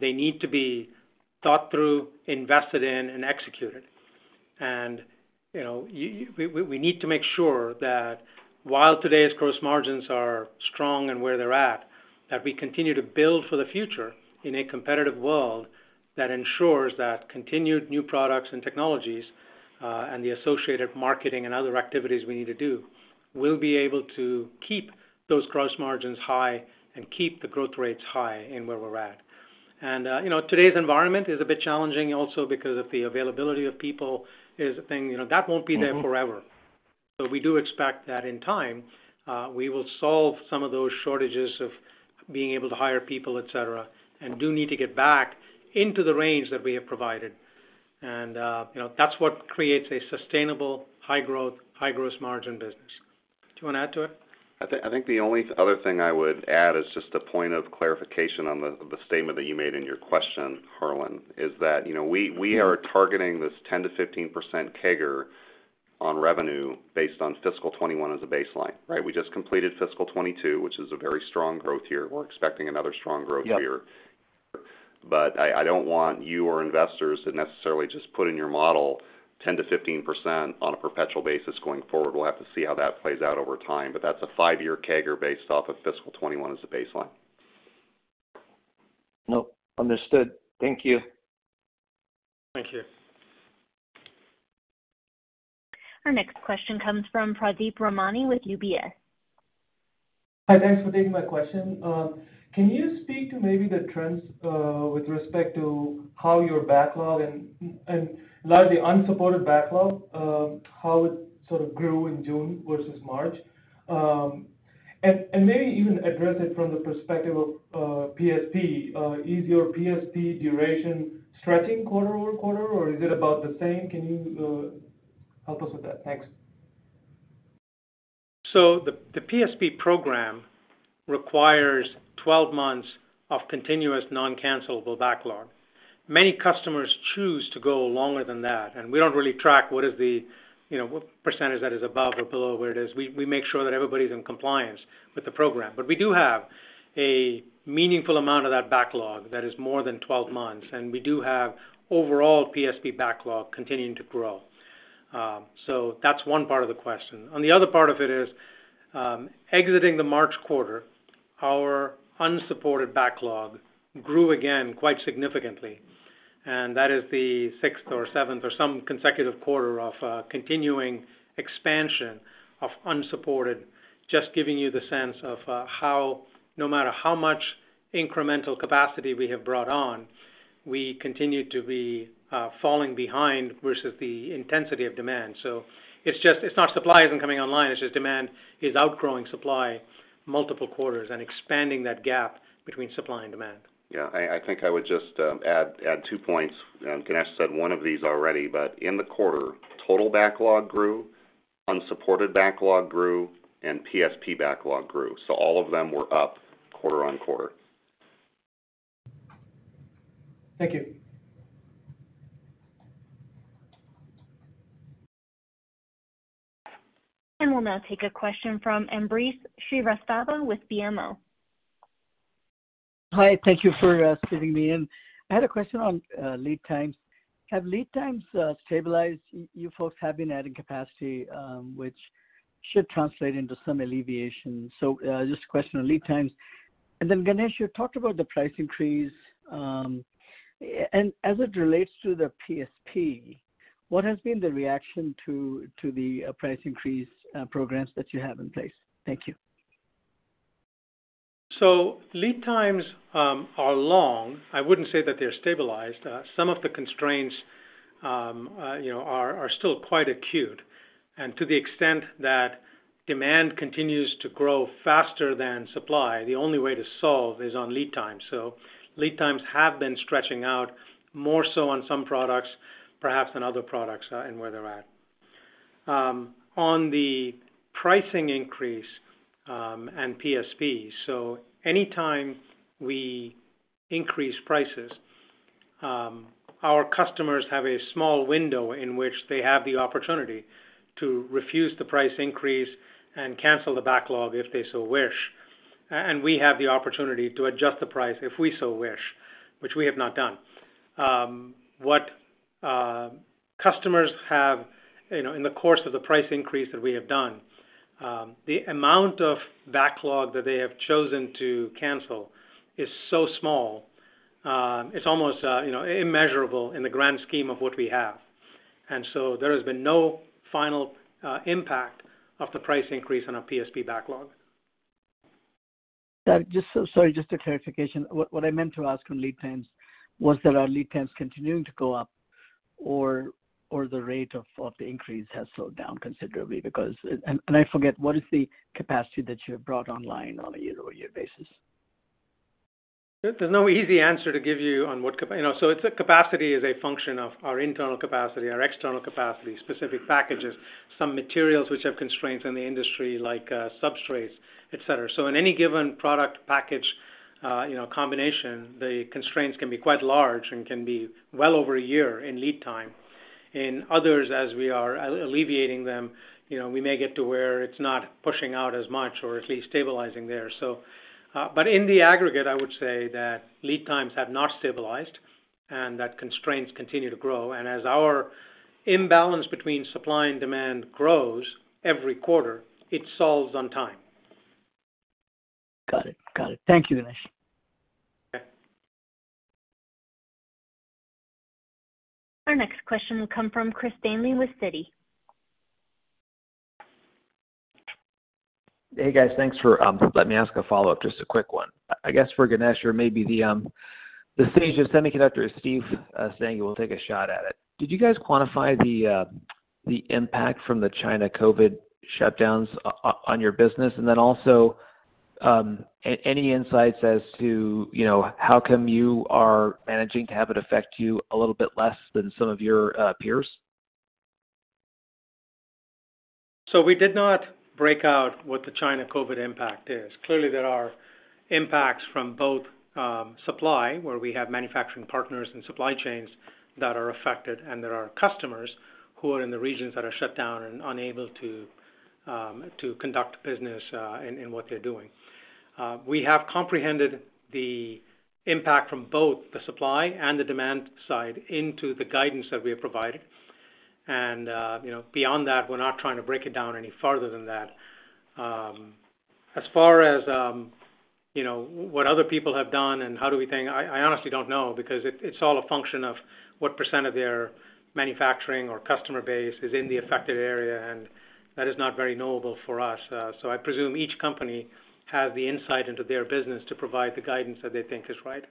They need to be thought through, invested in, and executed. You know, we need to make sure that while today's gross margins are strong and where they're at, that we continue to build for the future in a competitive world that ensures that continued new products and technologies, and the associated marketing and other activities we need to do, will be able to keep those gross margins high and keep the growth rates high in where we're at. You know, today's environment is a bit challenging also because of the availability of people is a thing. You know, that won't be there forever. We do expect that in time, we will solve some of those shortages of being able to hire people, et cetera, and do need to get back into the range that we have provided. You know, that's what creates a sustainable high-growth, high gross margin business. Do you wanna add to it? I think the only other thing I would add is just a point of clarification on the statement that you made in your question, Harlan, is that, you know, we are targeting this 10%-15% CAGR on revenue based on fiscal 2021 as a baseline, right? We just completed fiscal 2022, which is a very strong growth year. We're expecting another strong growth year. Yep. I don't want you or investors to necessarily just put in your model 10%-15% on a perpetual basis going forward. We'll have to see how that plays out over time, but that's a five-year CAGR based off of fiscal 2021 as a baseline. Nope. Understood. Thank you. Thank you. Our next question comes from Pradeep Ramani with UBS. Hi. Thanks for taking my question. Can you speak to maybe the trends with respect to how your backlog and largely unsupported backlog how it sort of grew in June versus March? Maybe even address it from the perspective of PSP. Is your PSP duration stretching quarter-over-quarter, or is it about the same? Can you help us with that? Thanks. The PSP program requires 12 months of continuous non-cancellable backlog. Many customers choose to go longer than that, and we don't really track what is the, you know, what percentage that is above or below where it is. We make sure that everybody's in compliance with the program. We do have a meaningful amount of that backlog that is more than 12 months, and we do have overall PSP backlog continuing to grow. That's one part of the question. On the other part of it is exiting the March quarter, our unmet backlog grew again quite significantly, and that is the sixth or seventh or some consecutive quarter of continuing expansion of unmet, just giving you the sense of how no matter how much incremental capacity we have brought on, we continue to be falling behind versus the intensity of demand. So it's just, it's not that supply isn't coming online, it's just demand is outgrowing supply multiple quarters and expanding that gap between supply and demand. Yeah. I think I would just add two points. Ganesh said one of these already, but in the quarter, total backlog grew, unsupported backlog grew and PSP backlog grew. All of them were up quarter-over-quarter. Thank you. We'll now take a question from Ambrish Srivastava with BMO. Hi, thank you for fitting me in. I had a question on lead times. Have lead times stabilized? You folks have been adding capacity, which should translate into some alleviation. Just a question on lead times. Then Ganesh, you talked about the price increase, and as it relates to the PSP, what has been the reaction to the price increase programs that you have in place? Thank you. Lead times are long. I wouldn't say that they're stabilized. Some of the constraints, you know, are still quite acute. To the extent that demand continues to grow faster than supply, the only way to solve is on lead time. Lead times have been stretching out more so on some products, perhaps than other products, and where they're at. On the pricing increase and PSP. Anytime we increase prices, our customers have a small window in which they have the opportunity to refuse the price increase and cancel the backlog if they so wish. We have the opportunity to adjust the price if we so wish, which we have not done. What customers have, you know, in the course of the price increase that we have done, the amount of backlog that they have chosen to cancel is so small, it's almost, you know, immeasurable in the grand scheme of what we have. There has been no final impact of the price increase on our PSP backlog. Sorry, just a clarification. What I meant to ask on lead times was that are lead times continuing to go up or the rate of the increase has slowed down considerably because I forget, what is the capacity that you have brought online on a year-over-year basis? There's no easy answer to give you on what capacity. You know, it's capacity is a function of our internal capacity, our external capacity, specific packages, some materials which have constraints on the industry like substrates, et cetera. In any given product package combination, the constraints can be quite large and can be well over a year in lead time. In others, as we are alleviating them, you know, we may get to where it's not pushing out as much or at least stabilizing there. But in the aggregate, I would say that lead times have not stabilized and that constraints continue to grow. As our imbalance between supply and demand grows every quarter, it solves on time. Got it. Thank you, Ganesh. Okay. Our next question will come from Chris Danley with Citi. Hey, guys. Let me ask a follow-up, just a quick one. I guess for Ganesh or maybe the sage of semiconductors, Steve, saying we'll take a shot at it. Did you guys quantify the impact from the China COVID shutdowns on your business? Also, any insights as to, you know, how come you are managing to have it affect you a little bit less than some of your peers? We did not break out what the China COVID impact is. Clearly, there are impacts from both supply, where we have manufacturing partners and supply chains that are affected, and there are customers who are in the regions that are shut down and unable to conduct business in what they're doing. We have comprehended the impact from both the supply and the demand side into the guidance that we have provided. You know, beyond that, we're not trying to break it down any further than that. As far as you know, what other people have done and how do we think, I honestly don't know because it's all a function of what percent of their manufacturing or customer base is in the affected area, and that is not very knowable for us. I presume each company has the insight into their business to provide the guidance that they think is right.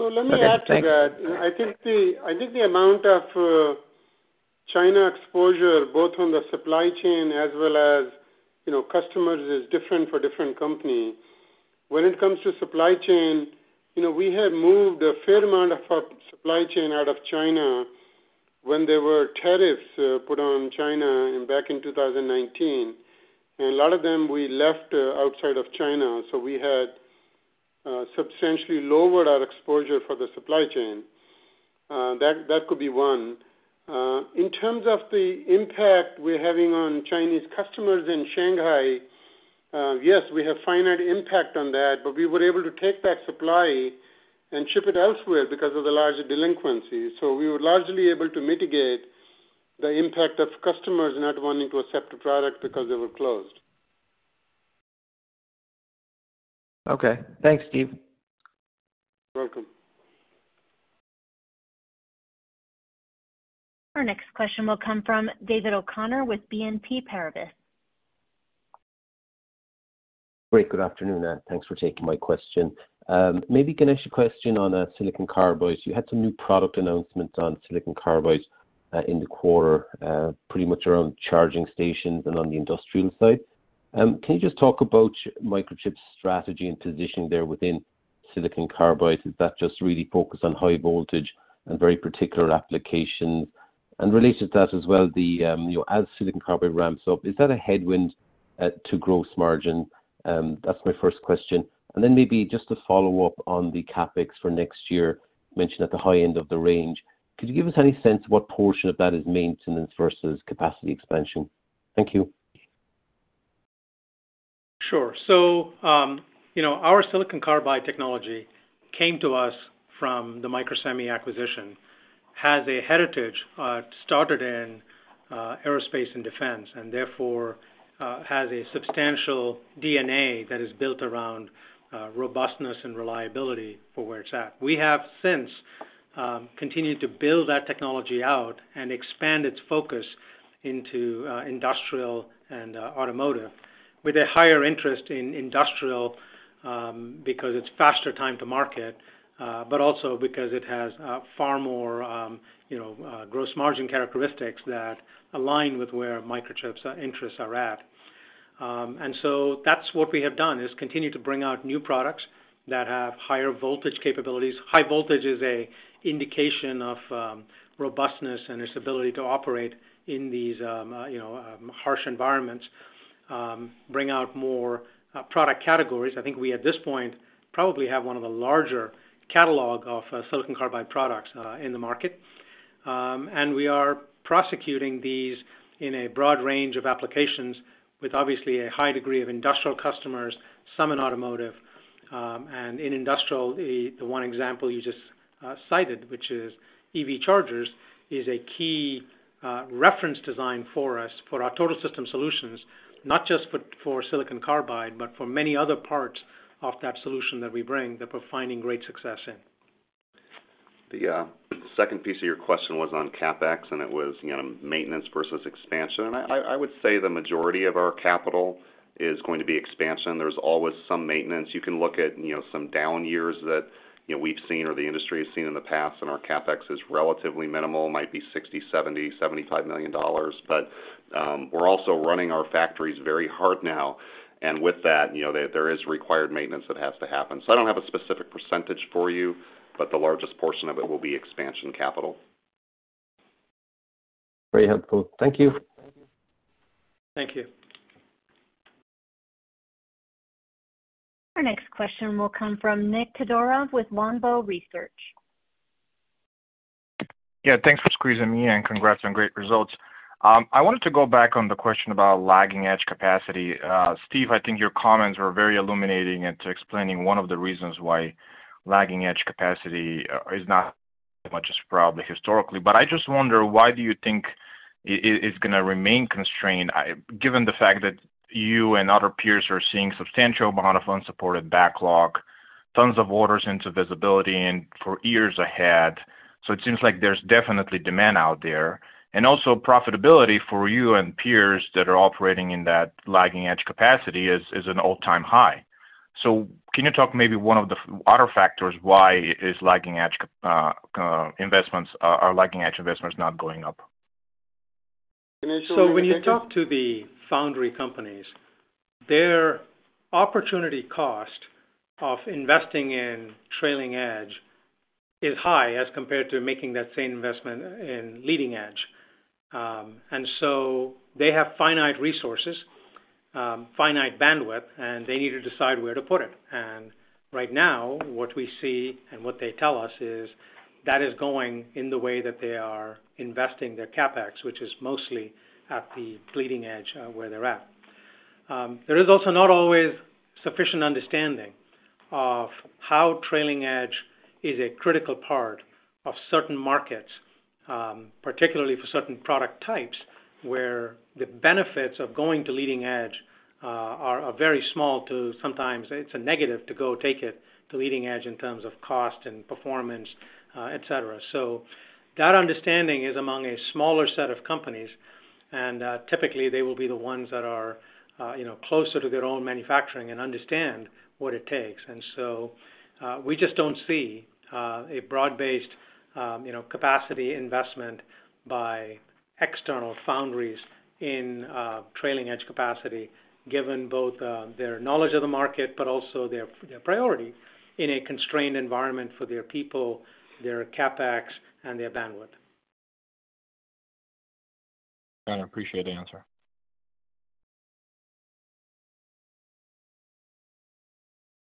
Okay, thanks. Let me add to that. I think the amount of China exposure, both on the supply chain as well as, you know, customers, is different for different companies. When it comes to supply chain, you know, we had moved a fair amount of our supply chain out of China when there were tariffs put on China back in 2019. A lot of them we left outside of China, so we had substantially lowered our exposure for the supply chain. That could be one. In terms of the impact we're having on Chinese customers in Shanghai, yes, we have finite impact on that, but we were able to take that supply and ship it elsewhere because of the large delinquencies. We were largely able to mitigate the impact of customers not wanting to accept a product because they were closed. Okay. Thanks, Steve. Welcome. Our next question will come from Matthew O'Connor with BNP Paribas. Great. Good afternoon, and thanks for taking my question. Maybe Ganesh, a question on silicon carbide. You had some new product announcements on silicon carbide in the quarter pretty much around charging stations and on the industrial side. Can you just talk about Microchip's strategy and positioning there within? Silicon carbide, is that just really focused on high voltage and very particular applications? Related to that as well, you know, as silicon carbide ramps up, is that a headwind to growth margin? That's my first question. Maybe just to follow up on the CapEx for next year, mentioned at the high end of the range. Could you give us any sense what portion of that is maintenance versus capacity expansion? Thank you. Sure. You know, our silicon carbide technology came to us from the Microsemi acquisition, has a heritage started in aerospace and defense, and therefore has a substantial DNA that is built around robustness and reliability for where it's at. We have since continued to build that technology out and expand its focus into industrial and automotive with a higher interest in industrial because it's faster time to market but also because it has far more you know gross margin characteristics that align with where Microchip's interests are at. That's what we have done, is continue to bring out new products that have higher voltage capabilities. High voltage is an indication of robustness and its ability to operate in these, you know, harsh environments, bring out more product categories. I think we at this point probably have one of the larger catalog of silicon carbide products in the market. We are prosecuting these in a broad range of applications with obviously a high degree of industrial customers, some in automotive. In industrial, the one example you just cited, which is EV chargers, is a key reference design for us for our Total System Solutions, not just for silicon carbide, but for many other parts of that solution that we bring that we're finding great success in. The second piece of your question was on CapEx, and it was, you know, maintenance versus expansion. I would say the majority of our capital is going to be expansion. There's always some maintenance. You can look at, you know, some down years that, you know, we've seen or the industry has seen in the past, and our CapEx is relatively minimal, might be $60, $70, $75 million. We're also running our factories very hard now, and with that, you know, there is required maintenance that has to happen. I don't have a specific percentage for you, but the largest portion of it will be expansion capital. Very helpful. Thank you. Thank you. Our next question will come from Nikolay Todorov with Longbow Research. Yeah, thanks for squeezing me in, congrats on great results. I wanted to go back on the question about lagging edge capacity. Steve, I think your comments were very illuminating into explaining one of the reasons why lagging edge capacity is not as much as probably historically. I just wonder, why do you think it is gonna remain constrained? Given the fact that you and other peers are seeing substantial amount of unmet backlog, tons of orders into visibility and for years ahead. It seems like there's definitely demand out there. Also profitability for you and peers that are operating in that lagging edge capacity is an all-time high. Can you talk maybe one of the other factors why lagging edge investments are not going up? When you talk to the foundry companies, their opportunity cost of investing in trailing edge is high as compared to making that same investment in leading edge. They have finite resources, finite bandwidth, and they need to decide where to put it. Right now, what we see and what they tell us is that is going in the way that they are investing their CapEx, which is mostly at the leading edge, where they're at. There is also not always sufficient understanding of how trailing edge is a critical part of certain markets, particularly for certain product types, where the benefits of going to leading edge are very small to sometimes it's a negative to go take it to leading edge in terms of cost and performance, et cetera. That understanding is among a smaller set of companies, and typically, they will be the ones that are, you know, closer to their own manufacturing and understand what it takes. We just don't see a broad-based, you know, capacity investment by external foundries in trailing edge capacity, given both their knowledge of the market, but also their priority in a constrained environment for their people, their CapEx, and their bandwidth. I appreciate the answer.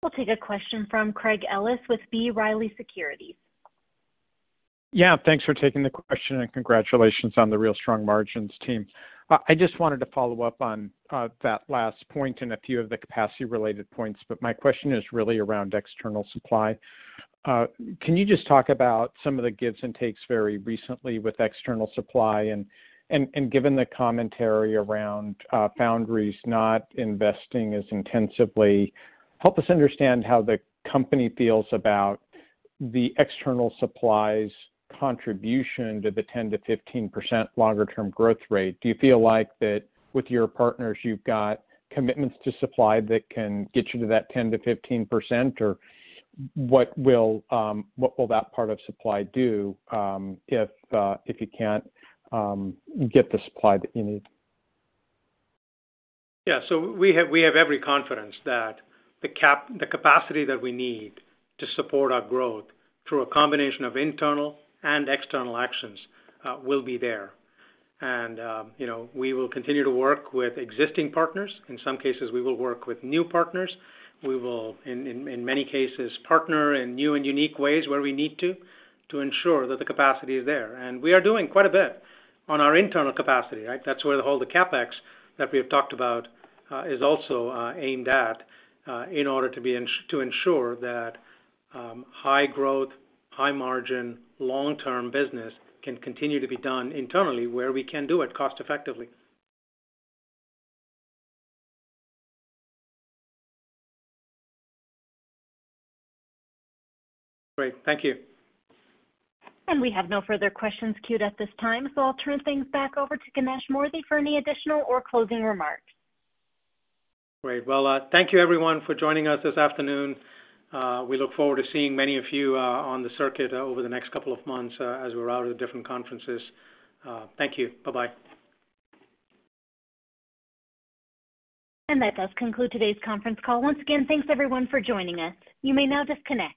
We'll take a question from Craig Ellis with B Riley Securities. Yeah, thanks for taking the question, and congratulations on the really strong margins, team. I just wanted to follow up on that last point and a few of the capacity-related points, but my question is really around external supply. Can you just talk about some of the gives and takes very recently with external supply and, given the commentary around foundries not investing as intensively, help us understand how the company feels about the external supply's contribution to the 10%-15% longer-term growth rate. Do you feel like that with your partners, you've got commitments to supply that can get you to that 10%-15%? Or what will that part of supply do, if you can't get the supply that you need? Yeah. We have every confidence that the capacity that we need to support our growth through a combination of internal and external actions will be there. You know, we will continue to work with existing partners. In some cases, we will work with new partners. We will in many cases partner in new and unique ways where we need to ensure that the capacity is there. We are doing quite a bit on our internal capacity, right? That's where all the CapEx that we have talked about is also aimed at in order to ensure that high growth, high margin, long-term business can continue to be done internally where we can do it cost effectively. Great. Thank you. We have no further questions queued at this time, so I'll turn things back over to Ganesh Moorthy for any additional or closing remarks. Great. Well, thank you everyone for joining us this afternoon. We look forward to seeing many of you on the circuit over the next couple of months as we're out at different conferences. Thank you. Bye-bye. That does conclude today's conference call. Once again, thanks everyone for joining us. You may now disconnect.